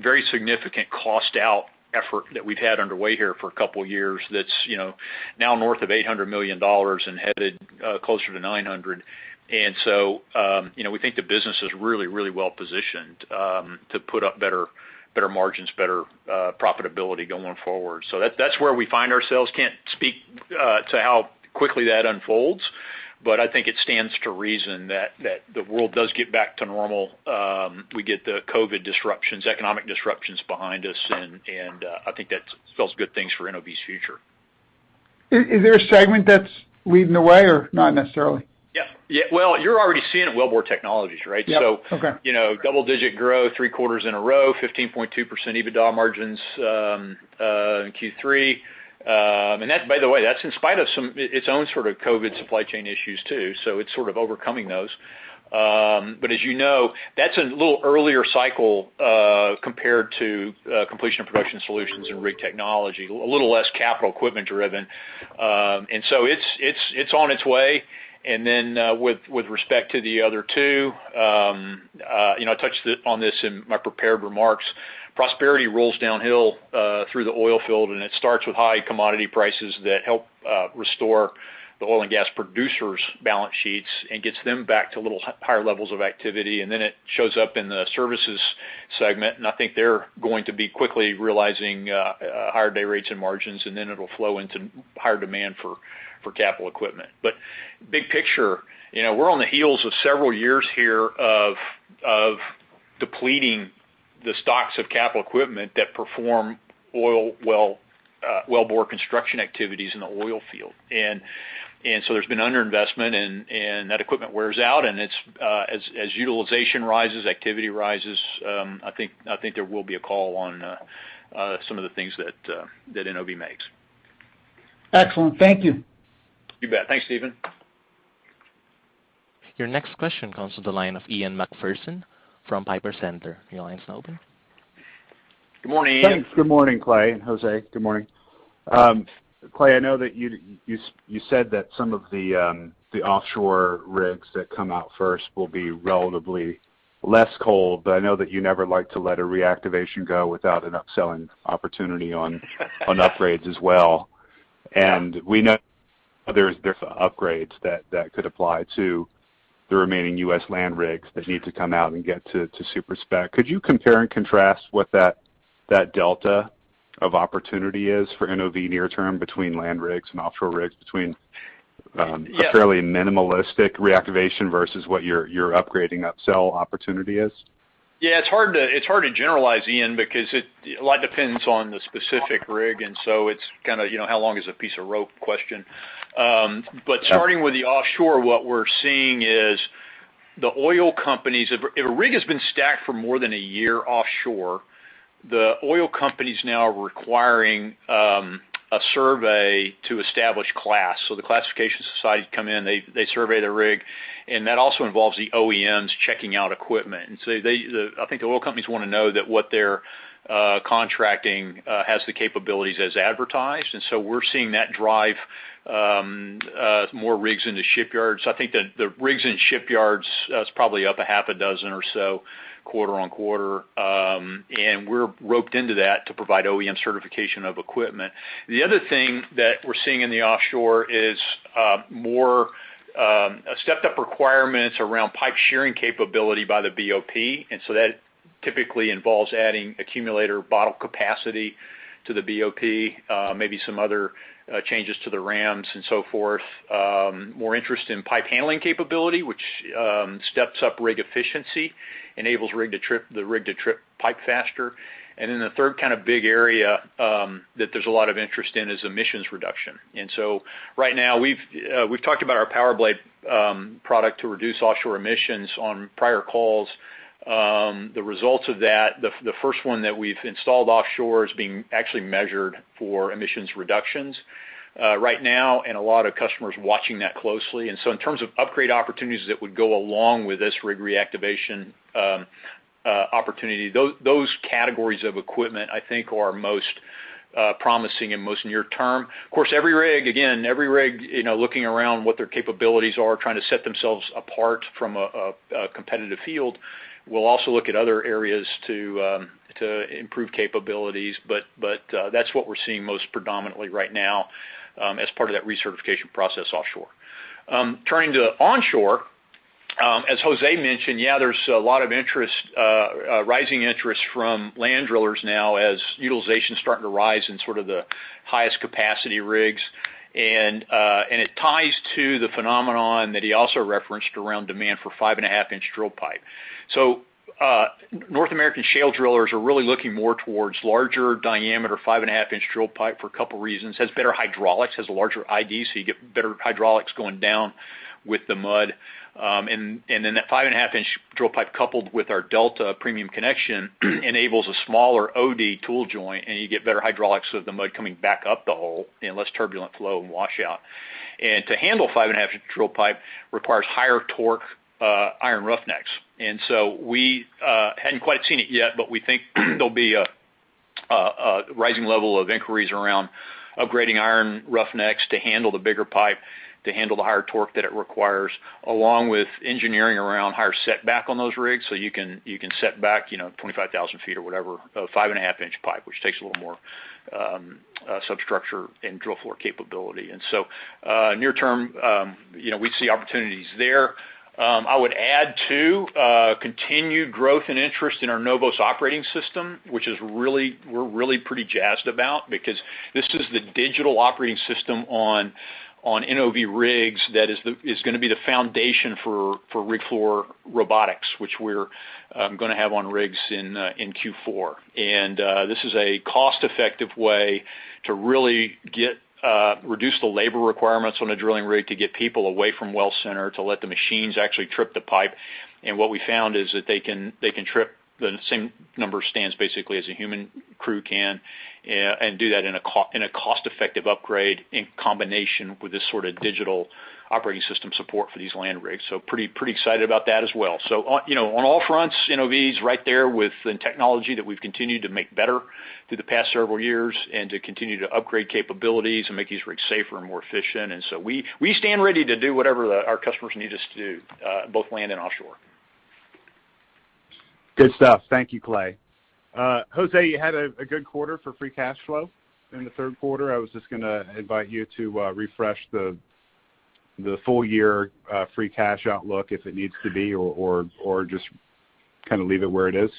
very significant cost out effort that we've had underway here for a couple of years that's, you know, now north of $800 million and headed closer to $900 million. You know, we think the business is really well positioned to put up better margins, better profitability going forward. That's where we find ourselves, I can't speak to how quickly that unfolds. I think it stands to reason that the world does get back to normal. We get the COVID disruptions, economic disruptions behind us, and I think that spells good things for NOV's future. Is there a segment that's leading the way or not necessarily? Yeah. Yeah. Well, you're already seeing it, Wellbore Technologies, right? Yep. Okay. You know, double-digit growth, three quarters in a row, 15.2% EBITDA margins in Q3. And that, by the way, that's in spite of some of its own sort of COVID supply chain issues, too. It's sort of overcoming those. But as you know, that's a little earlier cycle compared to Completion and Production Solutions and Rig Technologies, a little less capital equipment-driven. And so it's on its way. Then, with respect to the other two, you know, I touched on this in my prepared remarks. Prosperity rolls downhill through the oil field, and it starts with high commodity prices that help restore the oil and gas producers' balance sheets and gets them back to a little higher levels of activity. Then it shows up in the services segment, and I think they're going to be quickly realizing higher day rates and margins, and then it'll flow into higher demand for capital equipment. But big picture, you know, we're on the heels of several years here of depleting the stocks of capital equipment that perform oil well bore construction activities in the oil field. So there's been underinvestment and that equipment wears out, and it's as utilization rises, activity rises, I think there will be a call on some of the things that NOV makes. Excellent. Thank you. You bet. Thanks Stephen. Your next question comes to the line of Ian Macpherson from Piper Sandler. Your line's now open. Good morning Ian. Thanks. Good morning, Clay and Jose. Good morning. Clay, I know that you said that some of the offshore rigs that come out first will be relatively less cold, but I know that you never like to let a reactivation go without an upselling opportunity on upgrades as well. We know there's upgrades that could apply to the remaining U.S. land rigs that need to come out and get to super spec. Could you compare and contrast what that delta of opportunity is for NOV near term between land rigs and offshore rigs between, Yes A fairly minimalistic reactivation versus what your upgrading upsell opportunity is? Yeah, it's hard to generalize, Ian, because a lot depends on the specific rig, and so it's kind of, you know, how long is a piece of rope question. Starting with the offshore, what we're seeing is the oil companies. If a rig has been stacked for more than a year offshore, the oil companies now are requiring a survey to establish class. The classification societies come in, they survey the rig, and that also involves the OEMs checking out equipment. I think the oil companies wanna know that what they're contracting has the capabilities as advertised. We're seeing that drive more rigs into shipyards. I think the rigs in shipyards is probably up a half a dozen or so quarter-over-quarter. We're roped into that to provide OEM certification of equipment. The other thing that we're seeing in the offshore is more stepped up requirements around pipe shearing capability by the BOP. That typically involves adding accumulator bottle capacity to the BOP, maybe some other changes to the rams and so forth. More interest in pipe handling capability, which steps up rig efficiency, enables the rig to trip pipe faster. The third kind of big area that there's a lot of interest in is emissions reduction. Right now we've talked about our PowerBlade product to reduce offshore emissions on prior calls. The results of that, the first one that we've installed offshore is being actually measured for emissions reductions right now, and a lot of customers are watching that closely. In terms of upgrade opportunities that would go along with this rig reactivation opportunity, those categories of equipment, I think are most promising and most near term. Of course, every rig you know looking around what their capabilities are, trying to set themselves apart from a competitive field, will also look at other areas to improve capabilities. That's what we're seeing most predominantly right now as part of that recertification process offshore. Turning to onshore as Jose mentioned, yeah there's a lot of interest rising interest from land drillers now as utilization is starting to rise in sort of the highest capacity rigs. It ties to the phenomenon that he also referenced around demand for 5 1/2-inch drill pipe. North American shale drillers are really looking more towards larger diameter 5 1/2-inch drill pipe for a couple reasons, has better hydraulics, has a larger ID, so you get better hydraulics going down with the mud. That 5.5-inch drill pipe coupled with our Delta premium connection enables a smaller OD tool joint, and you get better hydraulics with the mud coming back up the hole and less turbulent flow and washout. To handle 5.5-inch drill pipe requires higher torque, iron roughnecks. We hadn't quite seen it yet, but we think there'll be a rising level of inquiries around upgrading iron roughnecks to handle the bigger pipe, to handle the higher torque that it requires, along with engineering around higher setback on those rigs so you can set back, you know, 25,000 feet or whatever of 5.5-inch pipe, which takes a little more substructure and drill floor capability. Near term, you know, we see opportunities there. I would add too, continued growth and interest in our NOVOS operating system, which is really—we're really pretty jazzed about because this is the digital operating system on NOV rigs that is gonna be the foundation for rig floor robotics, which we're gonna have on rigs in Q4. This is a cost-effective way to really get to reduce the labor requirements on a drilling rig to get people away from well center, to let the machines actually trip the pipe. What we found is that they can trip the same number of stands basically as a human crew can, and do that in a cost-effective upgrade in combination with this sort of digital operating system support for these land rigs. Pretty excited about that as well. On, you know, on all fronts, NOV is right there with the technology that we've continued to make better through the past several years and to continue to upgrade capabilities and make these rigs safer and more efficient. We stand ready to do whatever our customers need us to do, both land and offshore. Good stuff. Thank you Clay. Jose, you had a good quarter for free cash flow during the third quarter. I was just gonna invite you to refresh the full year free cash outlook if it needs to be, or just kind of leave it where it is.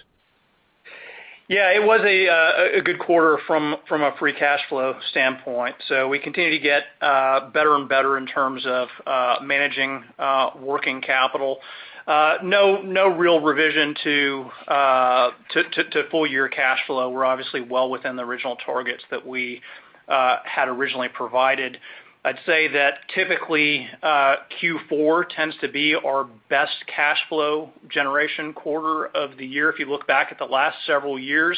Yeah, it was a good quarter from a free cash flow standpoint. We continue to get better and better in terms of managing working capital. No real revision to full year cash flow. We're obviously well within the original targets that we had originally provided. I'd say that typically Q4 tends to be our best cash flow generation quarter of the year, if you look back at the last several years.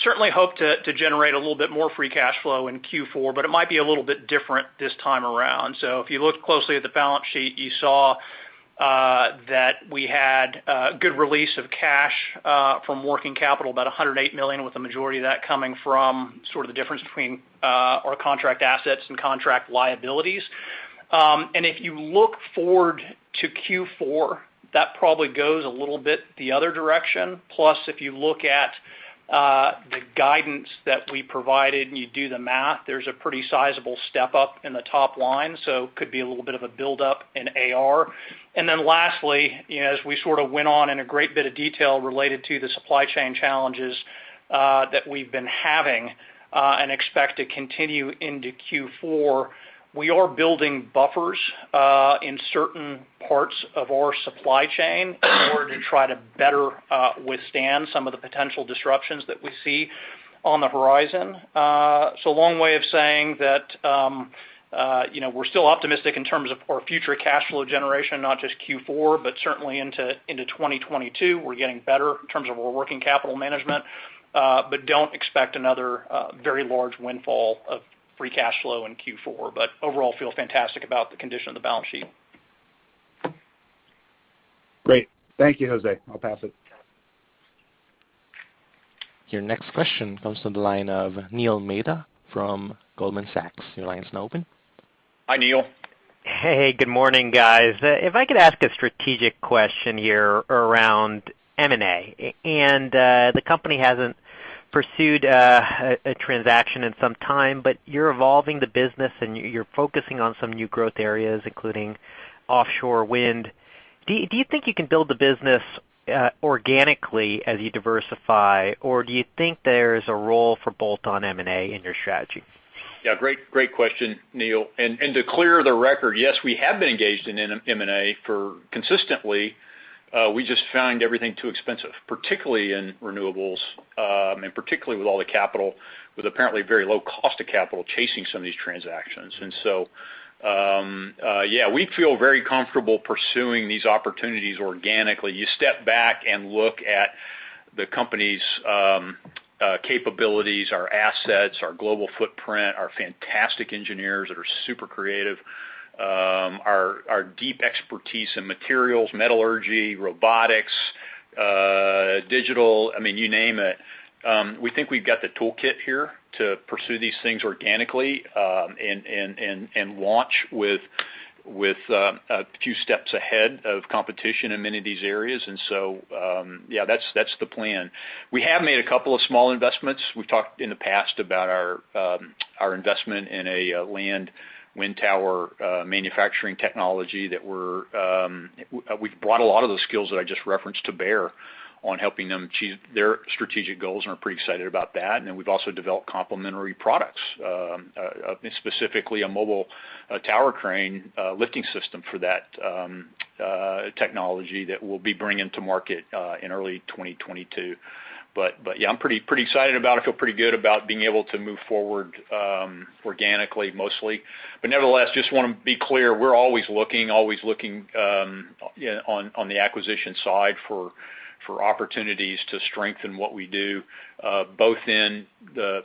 Certainly hope to generate a little bit more free cash flow in Q4, but it might be a little bit different this time around. If you look closely at the balance sheet, you saw that we had good release of cash from working capital, about $108 million, with the majority of that coming from sort of the difference between our contract assets and contract liabilities. If you look forward to Q4, that probably goes a little bit the other direction. Plus, if you look at the guidance that we provided and you do the math, there's a pretty sizable step up in the top line, so could be a little bit of a buildup in AR. Then lastly, you know, as we sort of went on in a great bit of detail related to the supply chain challenges that we've been having and expect to continue into Q4, we are building buffers in certain parts of our supply chain in order to try to better withstand some of the potential disruptions that we see on the horizon. Long way of saying that, you know, we're still optimistic in terms of our future cash flow generation, not just Q4, but certainly into 2022. We're getting better in terms of our working capital management, but don't expect another very large windfall of free cash flow in Q4. Overall, feel fantastic about the condition of the balance sheet. Great. Thank you José. I'll pass it. Your next question comes from the line of Neil Mehta from Goldman Sachs. Your line is now open. Hi Neil. Hey good morning guys. If I could ask a strategic question here around M&A. The company hasn't pursued a transaction in some time, but you're evolving the business, and you're focusing on some new growth areas, including offshore wind. Do you think you can build the business organically as you diversify? Or do you think there's a role for bolt-on M&A in your strategy? Yeah. Great question, Neil. To clear the record, yes, we have been engaged in M&A efforts consistently. We just found everything too expensive, particularly in renewables, and particularly with all the capital, with apparently very low cost of capital chasing some of these transactions. Yeah, we feel very comfortable pursuing these opportunities organically. You step back and look at the company's capabilities, our assets, our global footprint, our fantastic engineers that are super creative, our deep expertise in materials, metallurgy, robotics, digital. I mean, you name it. We think we've got the toolkit here to pursue these things organically, and launch with a few steps ahead of competition in many of these areas. Yeah, that's the plan. We have made a couple of small investments. We've talked in the past about our investment in a land wind tower manufacturing technology that we've brought a lot of those skills that I just referenced to bear on helping them achieve their strategic goals. We're pretty excited about that. We've also developed complementary products, specifically a mobile tower crane lifting system for that technology that we'll be bringing to market in early 2022. Yeah, I'm pretty excited about it. I feel pretty good about being able to move forward, organically, mostly. Nevertheless, just wanna be clear, we're always looking, you know, on the acquisition side for opportunities to strengthen what we do, both in the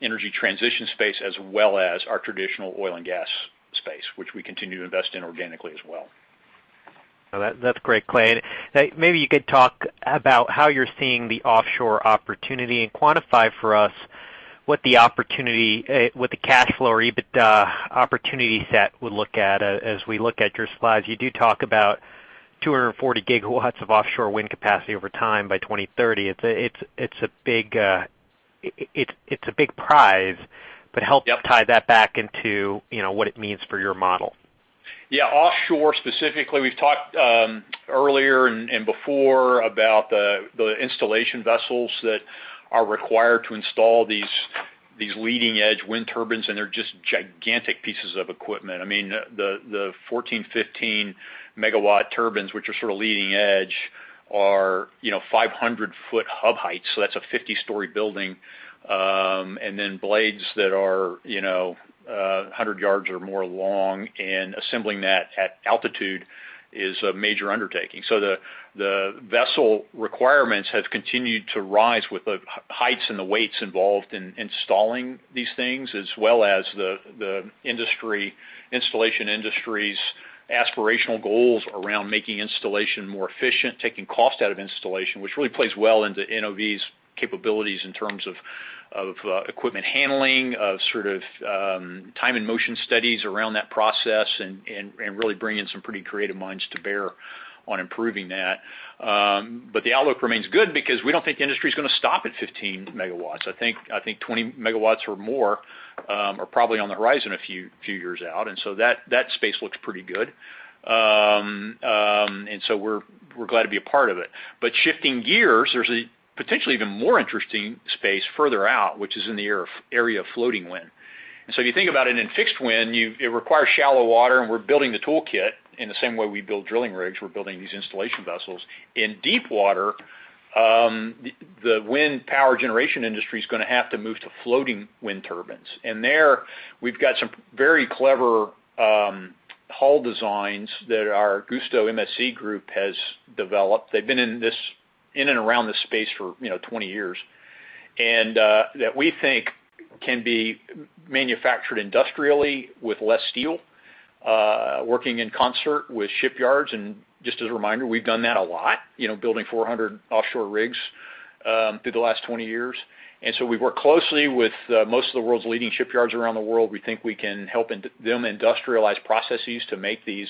energy transition space as well as our traditional oil and gas space, which we continue to invest in organically as well. No. That's great Clay. Maybe you could talk about how you're seeing the offshore opportunity and quantify for us what the opportunity, what the cash flow or EBITDA opportunity set would look at. As we look at your slides, you do talk about 240 GW of offshore wind capacity over time by 2030. It's a big prize, but help- Yep. Tie that back into, you know, what it means for your model. Yeah. Offshore specifically, we've talked earlier and before about the installation vessels that are required to install these leading-edge wind turbines, and they're just gigantic pieces of equipment. I mean, the 14, 15 megawatt turbines, which are sort of leading edge, are, you know, 500-foot hub heights, so that's a 50-story building, and then blades that are, you know, 100 yards or more long. Assembling that at altitude is a major undertaking. The vessel requirements have continued to rise with the heights and the weights involved in installing these things, as well as the installation industry's aspirational goals around making installation more efficient, taking cost out of installation, which really plays well into NOV's capabilities in terms of equipment handling, sort of time and motion studies around that process and really bringing some pretty creative minds to bear on improving that. The outlook remains good because we don't think the industry's gonna stop at 15 MW. I think 20 MW or more are probably on the horizon a few years out, and so that space looks pretty good. We're glad to be a part of it. Shifting gears, there's a potentially even more interesting space further out, which is in the area of floating wind. If you think about it in fixed wind, it requires shallow water, and we're building the toolkit in the same way we build drilling rigs, we're building these installation vessels. In deep water, the wind power generation industry's gonna have to move to floating wind turbines. There, we've got some very clever hull designs that our GustoMSC group has developed. They've been in and around this space for, you know, 20 years. That we think can be manufactured industrially with less steel, working in concert with shipyards. Just as a reminder, we've done that a lot, you know, building 400 offshore rigs through the last 20 years. We work closely with most of the world's leading shipyards around the world. We think we can help them industrialize processes to make these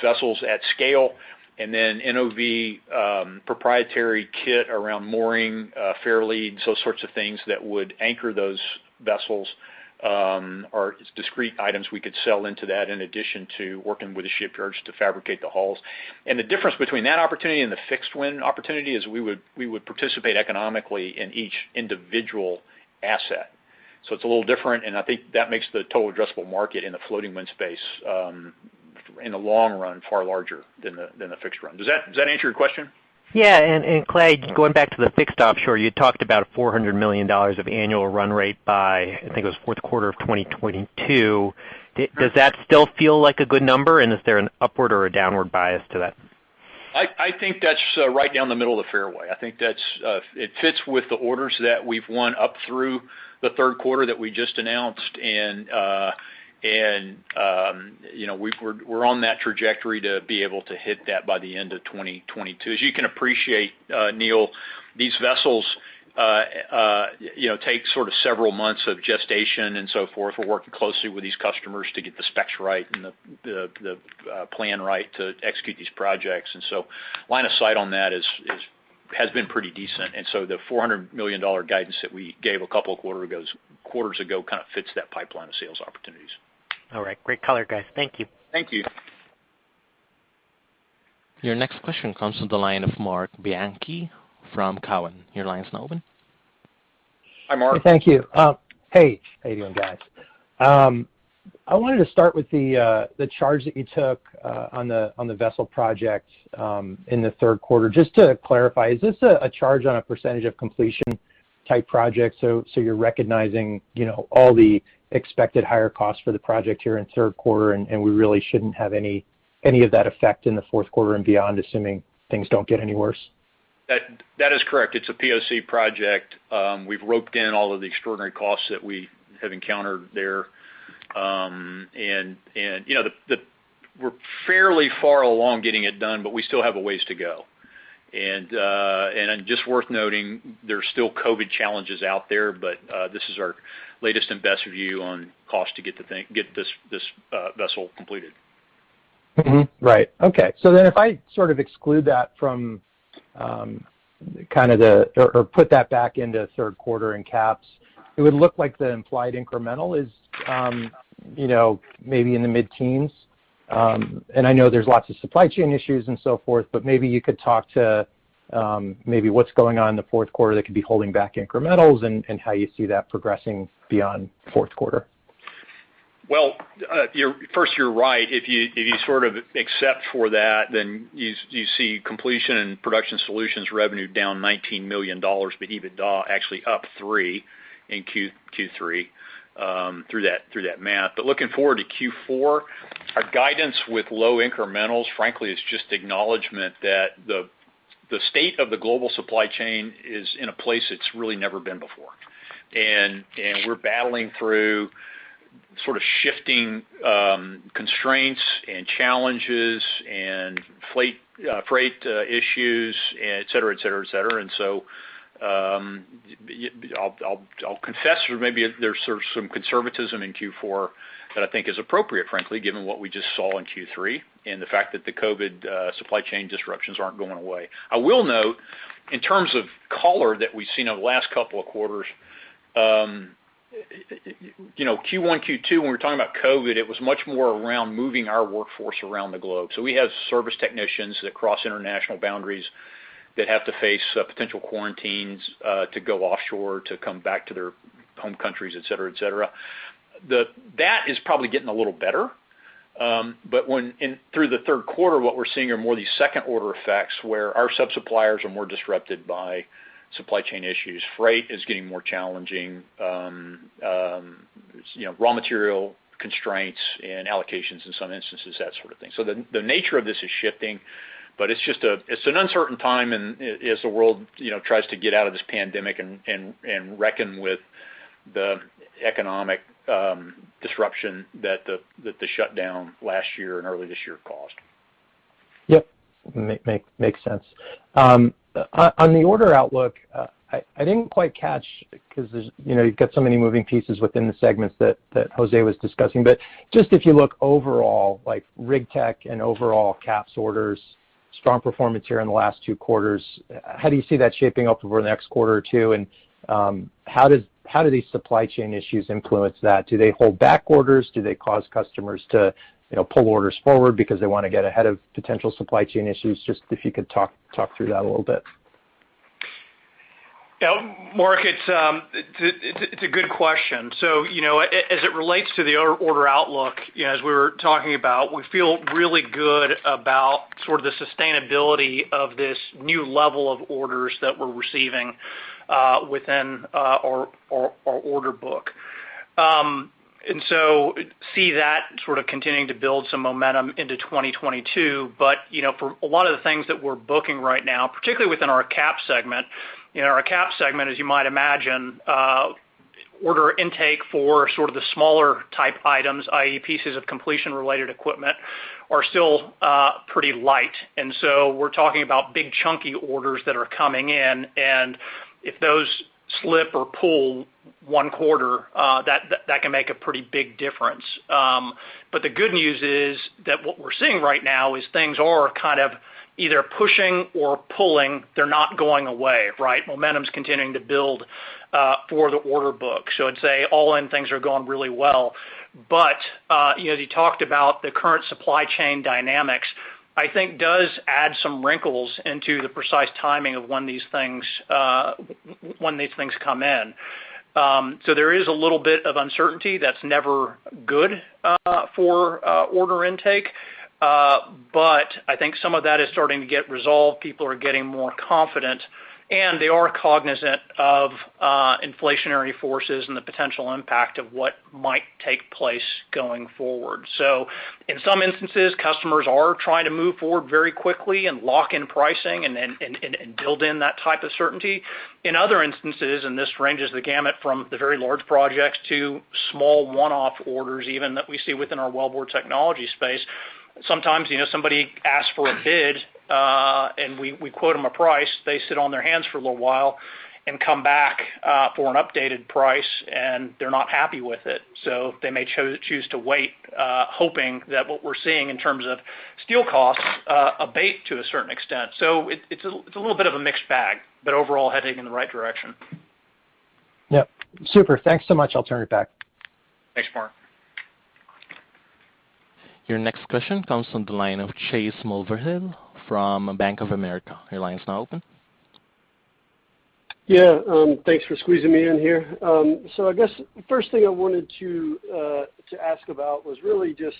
vessels at scale. NOV proprietary kit around mooring, fairleads, those sorts of things that would anchor those vessels are discrete items we could sell into that in addition to working with the shipyards to fabricate the hulls. The difference between that opportunity and the fixed wind opportunity is we would participate economically in each individual asset. It's a little different, and I think that makes the total addressable market in the floating wind space in the long run far larger than the fixed wind. Does that answer your question? Yeah. Clay, going back to the fixed offshore, you talked about $400 million of annual run rate by, I think, it was fourth quarter of 2022. Does that still feel like a good number? Is there an upward or a downward bias to that? I think that's right down the middle of the fairway. I think that's it fits with the orders that we've won up through the third quarter that we just announced. You know, we're on that trajectory to be able to hit that by the end of 2022. As you can appreciate, Neil, these vessels, you know, take sort of several months of gestation and so forth. We're working closely with these customers to get the specs right and the plan right to execute these projects. Line of sight on that has been pretty decent. The $400 million guidance that we gave a couple quarters ago kind of fits that pipeline of sales opportunities. All right. Great color guys. Thank you. Thank you. Your next question comes from the line of Marc Bianchi from Cowen. Your line is now open. Hi Marc. Thank you. Hey. How you doing guys? I wanted to start with the charge that you took on the vessel project in the third quarter. Just to clarify, is this a charge on a percentage of completion type project, so you're recognizing, you know, all the expected higher costs for the project here in third quarter, and we really shouldn't have any of that effect in the fourth quarter and beyond, assuming things don't get any worse? That is correct. It's a POC project. We've roped in all of the extraordinary costs that we have encountered there. You know, we're fairly far along getting it done, but we still have a ways to go. Just worth noting, there are still COVID challenges out there, but this is our latest and best view on cost to get this vessel completed. If I sort of exclude that or put that back into third quarter Inc., it would look like the implied incremental is, you know, maybe in the mid-teens. I know there's lots of supply chain issues and so forth, but maybe you could talk about maybe what's going on in the fourth quarter that could be holding back incrementals and how you see that progressing beyond fourth quarter. Well, first you're right, if you sort of except for that, then you see Completion and Production Solutions revenue down $19 million, but EBITDA actually up $3 million in Q3 through that math. Looking forward to Q4, our guidance with low incrementals, frankly, is just acknowledgment that the state of the global supply chain is in a place it's really never been before. We're battling through sort of shifting constraints and challenges and inflation, freight issues, and et cetera, et cetera, et cetera. I'll confess that maybe there's sort of some conservatism in Q4 that I think is appropriate, frankly, given what we just saw in Q3 and the fact that the COVID supply chain disruptions aren't going away. I will note in terms of color that we've seen over the last couple of quarters, you know, Q1, Q2, when we were talking about COVID, it was much more around moving our workforce around the globe. We have service technicians that cross international boundaries that have to face potential quarantines to go offshore to come back to their home countries, et cetera, et cetera. That is probably getting a little better. But through the third quarter, what we're seeing are more these second order effects, where our sub-suppliers are more disrupted by supply chain issues. Freight is getting more challenging. You know, raw material constraints and allocations in some instances, that sort of thing. The nature of this is shifting, but it's just an uncertain time and as the world, you know, tries to get out of this pandemic and reckon with the economic disruption that the shutdown last year and early this year caused. Yep. Makes sense. On the order outlook, I didn't quite catch because there's, you know, you've got so many moving pieces within the segments that Jose was discussing. Just if you look overall, like rig tech and overall CapEx orders, strong performance here in the last two quarters, how do you see that shaping up over the next quarter or two? How do these supply chain issues influence that, do they hold back orders? Do they cause customers to, you know, pull orders forward because they wanna get ahead of potential supply chain issues? Just if you could talk through that a little bit. Yeah Marc, it's a good question. You know, as it relates to the order outlook, you know as we were talking about, we feel really good about sort of the sustainability of this new level of orders that we're receiving within our order book. We see that sort of continuing to build some momentum into 2022. You know, for a lot of the things that we're booking right now, particularly within our cap segment, as you might imagine, order intake for sort of the smaller type items, i.e., pieces of completion related equipment, are still pretty light. We're talking about big chunky orders that are coming in, and if those slip or pull one quarter, that can make a pretty big difference. The good news is that what we're seeing right now is things are kind of either pushing or pulling. They're not going away, right? Momentum's continuing to build for the order book. I'd say all in, things are going really well. You know, they talked about the current supply chain dynamics, I think does add some wrinkles into the precise timing of when these things come in. There is a little bit of uncertainty that's never good for order intake. I think some of that is starting to get resolved. People are getting more confident, and they are cognizant of inflationary forces and the potential impact of what might take place going forward. In some instances, customers are trying to move forward very quickly and lock in pricing and build in that type of certainty. In other instances, this runs the gamut from the very large projects to small one-off orders even that we see within our Wellbore Technologies space. Sometimes, you know, somebody asks for a bid, and we quote them a price. They sit on their hands for a little while and come back for an updated price, and they're not happy with it. They may choose to wait, hoping that what we're seeing in terms of steel costs abate to a certain extent. It's a little bit of a mixed bag, but overall heading in the right direction. Yep. Super. Thanks so much. I'll turn it back. Thanks Marc. Your next question comes from the line of Chase Mulvehill from Bank of America. Your line is now open. Yeah. Thanks for squeezing me in here. So I guess first thing I wanted to ask about was really just,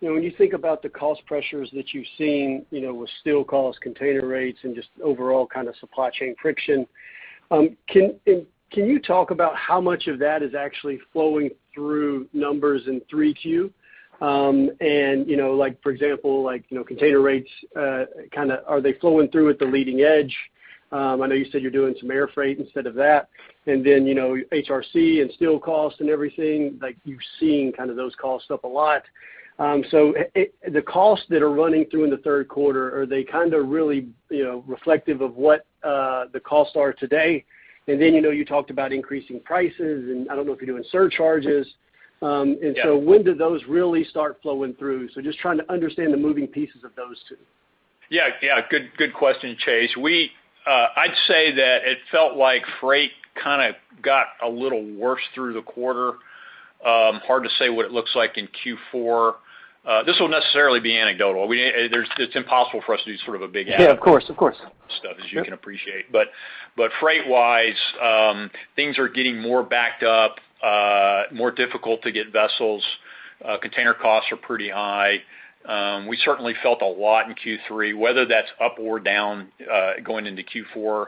you know, when you think about the cost pressures that you've seen, you know, with steel costs, container rates, and just overall kind of supply chain friction, can you talk about how much of that is actually flowing through numbers in 3Q? And, you know, like for example, container rates, kinda are they flowing through at the leading edge? I know you said you're doing some air freight instead of that. And then, you know, HRC and steel costs and everything, like you're seeing kind of those costs up a lot. The costs that are running through in the third quarter, are they kinda really, you know reflective of what the costs are today? You know, you talked about increasing prices, and I don't know if you're doing surcharges. Yeah. When do those really start flowing through? Just trying to understand the moving pieces of those two. Yeah. Good question Chase. I'd say that it felt like freight kinda got a little worse through the quarter. Hard to say what it looks like in Q4. This will necessarily be anecdotal. It's impossible for us to do sort of a big- Yeah, of course, of course. Stuff as you can appreciate. Freight-wise, things are getting more backed up, more difficult to get vessels. Container costs are pretty high. We certainly felt a lot in Q3, whether that's up or down, going into Q4,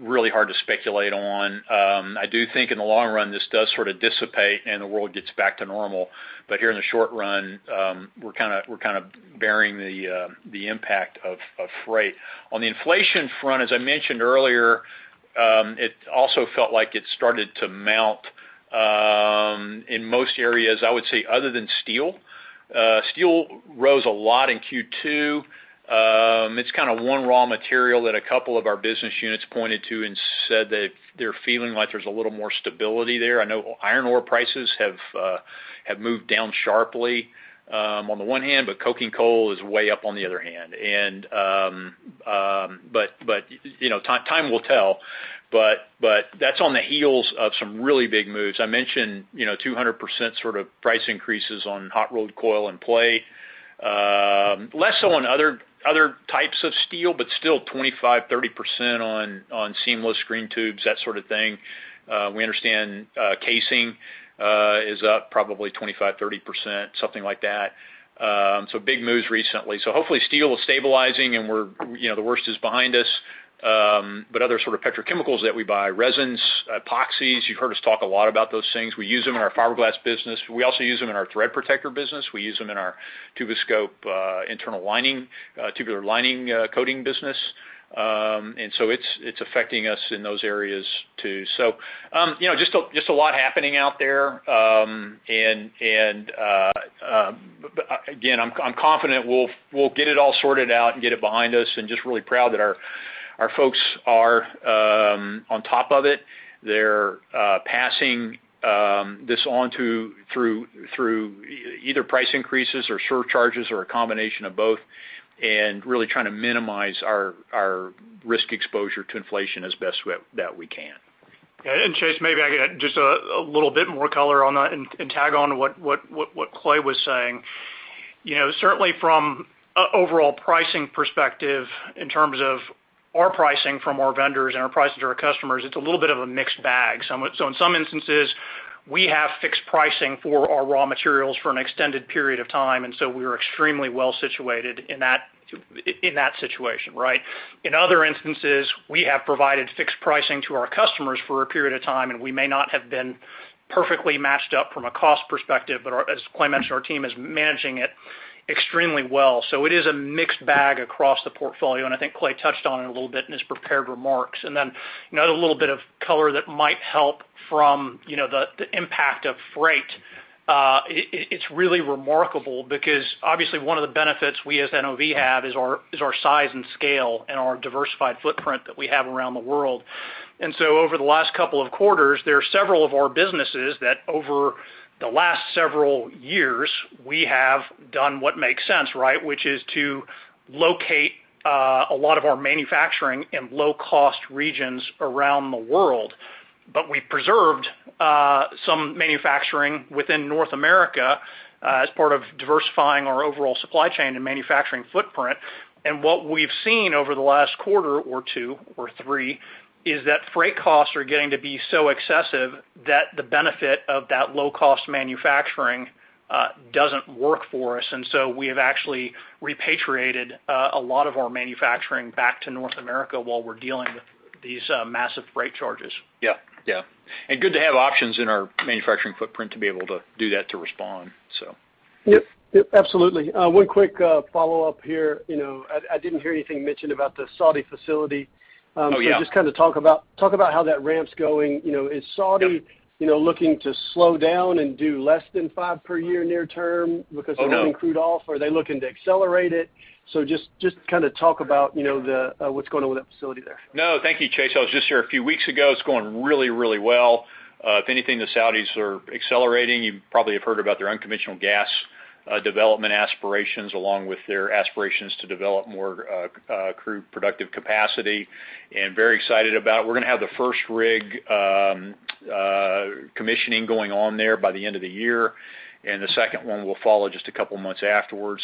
really hard to speculate on. I do think in the long run, this does sort of dissipate, and the world gets back to normal. Here in the short run, we're kind of bearing the impact of freight. On the inflation front, as I mentioned earlier, it also felt like it started to mount in most areas, I would say, other than steel. Steel rose a lot in Q2. It's kind of one raw material that a couple of our business units pointed to and said that they're feeling like there's a little more stability there. I know iron ore prices have moved down sharply on the one hand, but coking coal is way up on the other hand. You know, time will tell. That's on the heels of some really big moves. I mentioned, you know, 200% sort of price increases on hot-rolled coil and plate. Less so on other types of steel, but still 25%-30% on seamless steel tubes, that sort of thing. We understand casing is up probably 25%-30%, something like that. Big moves recently. Hopefully steel is stabilizing and we're, you know, the worst is behind us. Other sort of petrochemicals that we buy, resins, epoxies, you've heard us talk a lot about those things. We use them in our fiberglass business. We also use them in our thread protector business. We use them in our Tuboscope internal lining, tubular lining, coating business. It's affecting us in those areas, too. You know, just a lot happening out there. Again, I'm confident we'll get it all sorted out and get it behind us and just really proud that our folks are on top of it. They're passing this on through either price increases or surcharges or a combination of both, and really trying to minimize our risk exposure to inflation as best we can. Chase, maybe I can add just a little bit more color on that and tag on what Clay was saying. You know, certainly from an overall pricing perspective in terms of our pricing from our vendors and our pricing to our customers, it's a little bit of a mixed bag. So in some instances, we have fixed pricing for our raw materials for an extended period of time, and so we're extremely well situated in that situation, right? In other instances, we have provided fixed pricing to our customers for a period of time, and we may not have been perfectly matched up from a cost perspective. As Clay mentioned, our team is managing it extremely well. It is a mixed bag across the portfolio, and I think Clay touched on it a little bit in his prepared remarks. You know, a little bit of color that might help from you know, the impact of freight. It's really remarkable because, obviously, one of the benefits we as NOV have is our size and scale and our diversified footprint that we have around the world. Over the last couple of quarters, there are several of our businesses that over the last several years, we have done what makes sense, right? Which is to locate a lot of our manufacturing in low-cost regions around the world. We preserved some manufacturing within North America as part of diversifying our overall supply chain and manufacturing footprint. What we've seen over the last quarter or two or three is that freight costs are getting to be so excessive that the benefit of that low-cost manufacturing doesn't work for us. We have actually repatriated a lot of our manufacturing back to North America while we're dealing with these massive freight charges. Yeah. Yeah. Good to have options in our manufacturing footprint to be able to do that to respond. So. Yep. Yep absolutely. One quick follow-up here. You know, I didn't hear anything mentioned about the Saudi facility. Oh yeah. Just kind of talk about how that ramp's going. You know, is Saudi- Yep You know, looking to slow down and do less than five per year near term because they're Oh no. Running crude off, or are they looking to accelerate it? Just kind of talk about you know, the what's going on with that facility there. No. Thank you Chase. I was just there a few weeks ago. It's going really, really well. If anything, the Saudis are accelerating. You probably have heard about their unconventional gas development aspirations along with their aspirations to develop more crude productive capacity, and very excited about. We're gonna have the first rig commissioning going on there by the end of the year, and the second one will follow just a couple of months afterwards.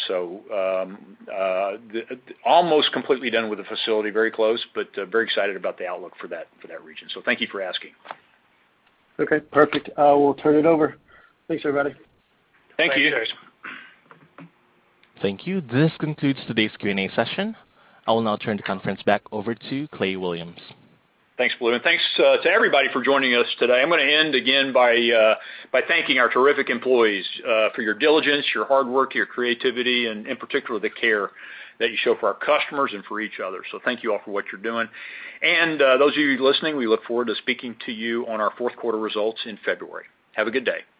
Almost completely done with the facility, very close, but very excited about the outlook for that, for that region. Thank you for asking. Okay. Perfect. We'll turn it over. Thanks everybody. Thank you. Thanks Chase. Thank you. This concludes today's Q&A session. I will now turn the conference back over to Clay Williams. Thanks Blue, and thanks to everybody for joining us today. I'm gonna end again by thanking our terrific employees for your diligence, your hard work, your creativity, and in particular, the care that you show for our customers and for each other. Thank you all for what you're doing. Those of you listening, we look forward to speaking to you on our fourth quarter results in February. Have a good day.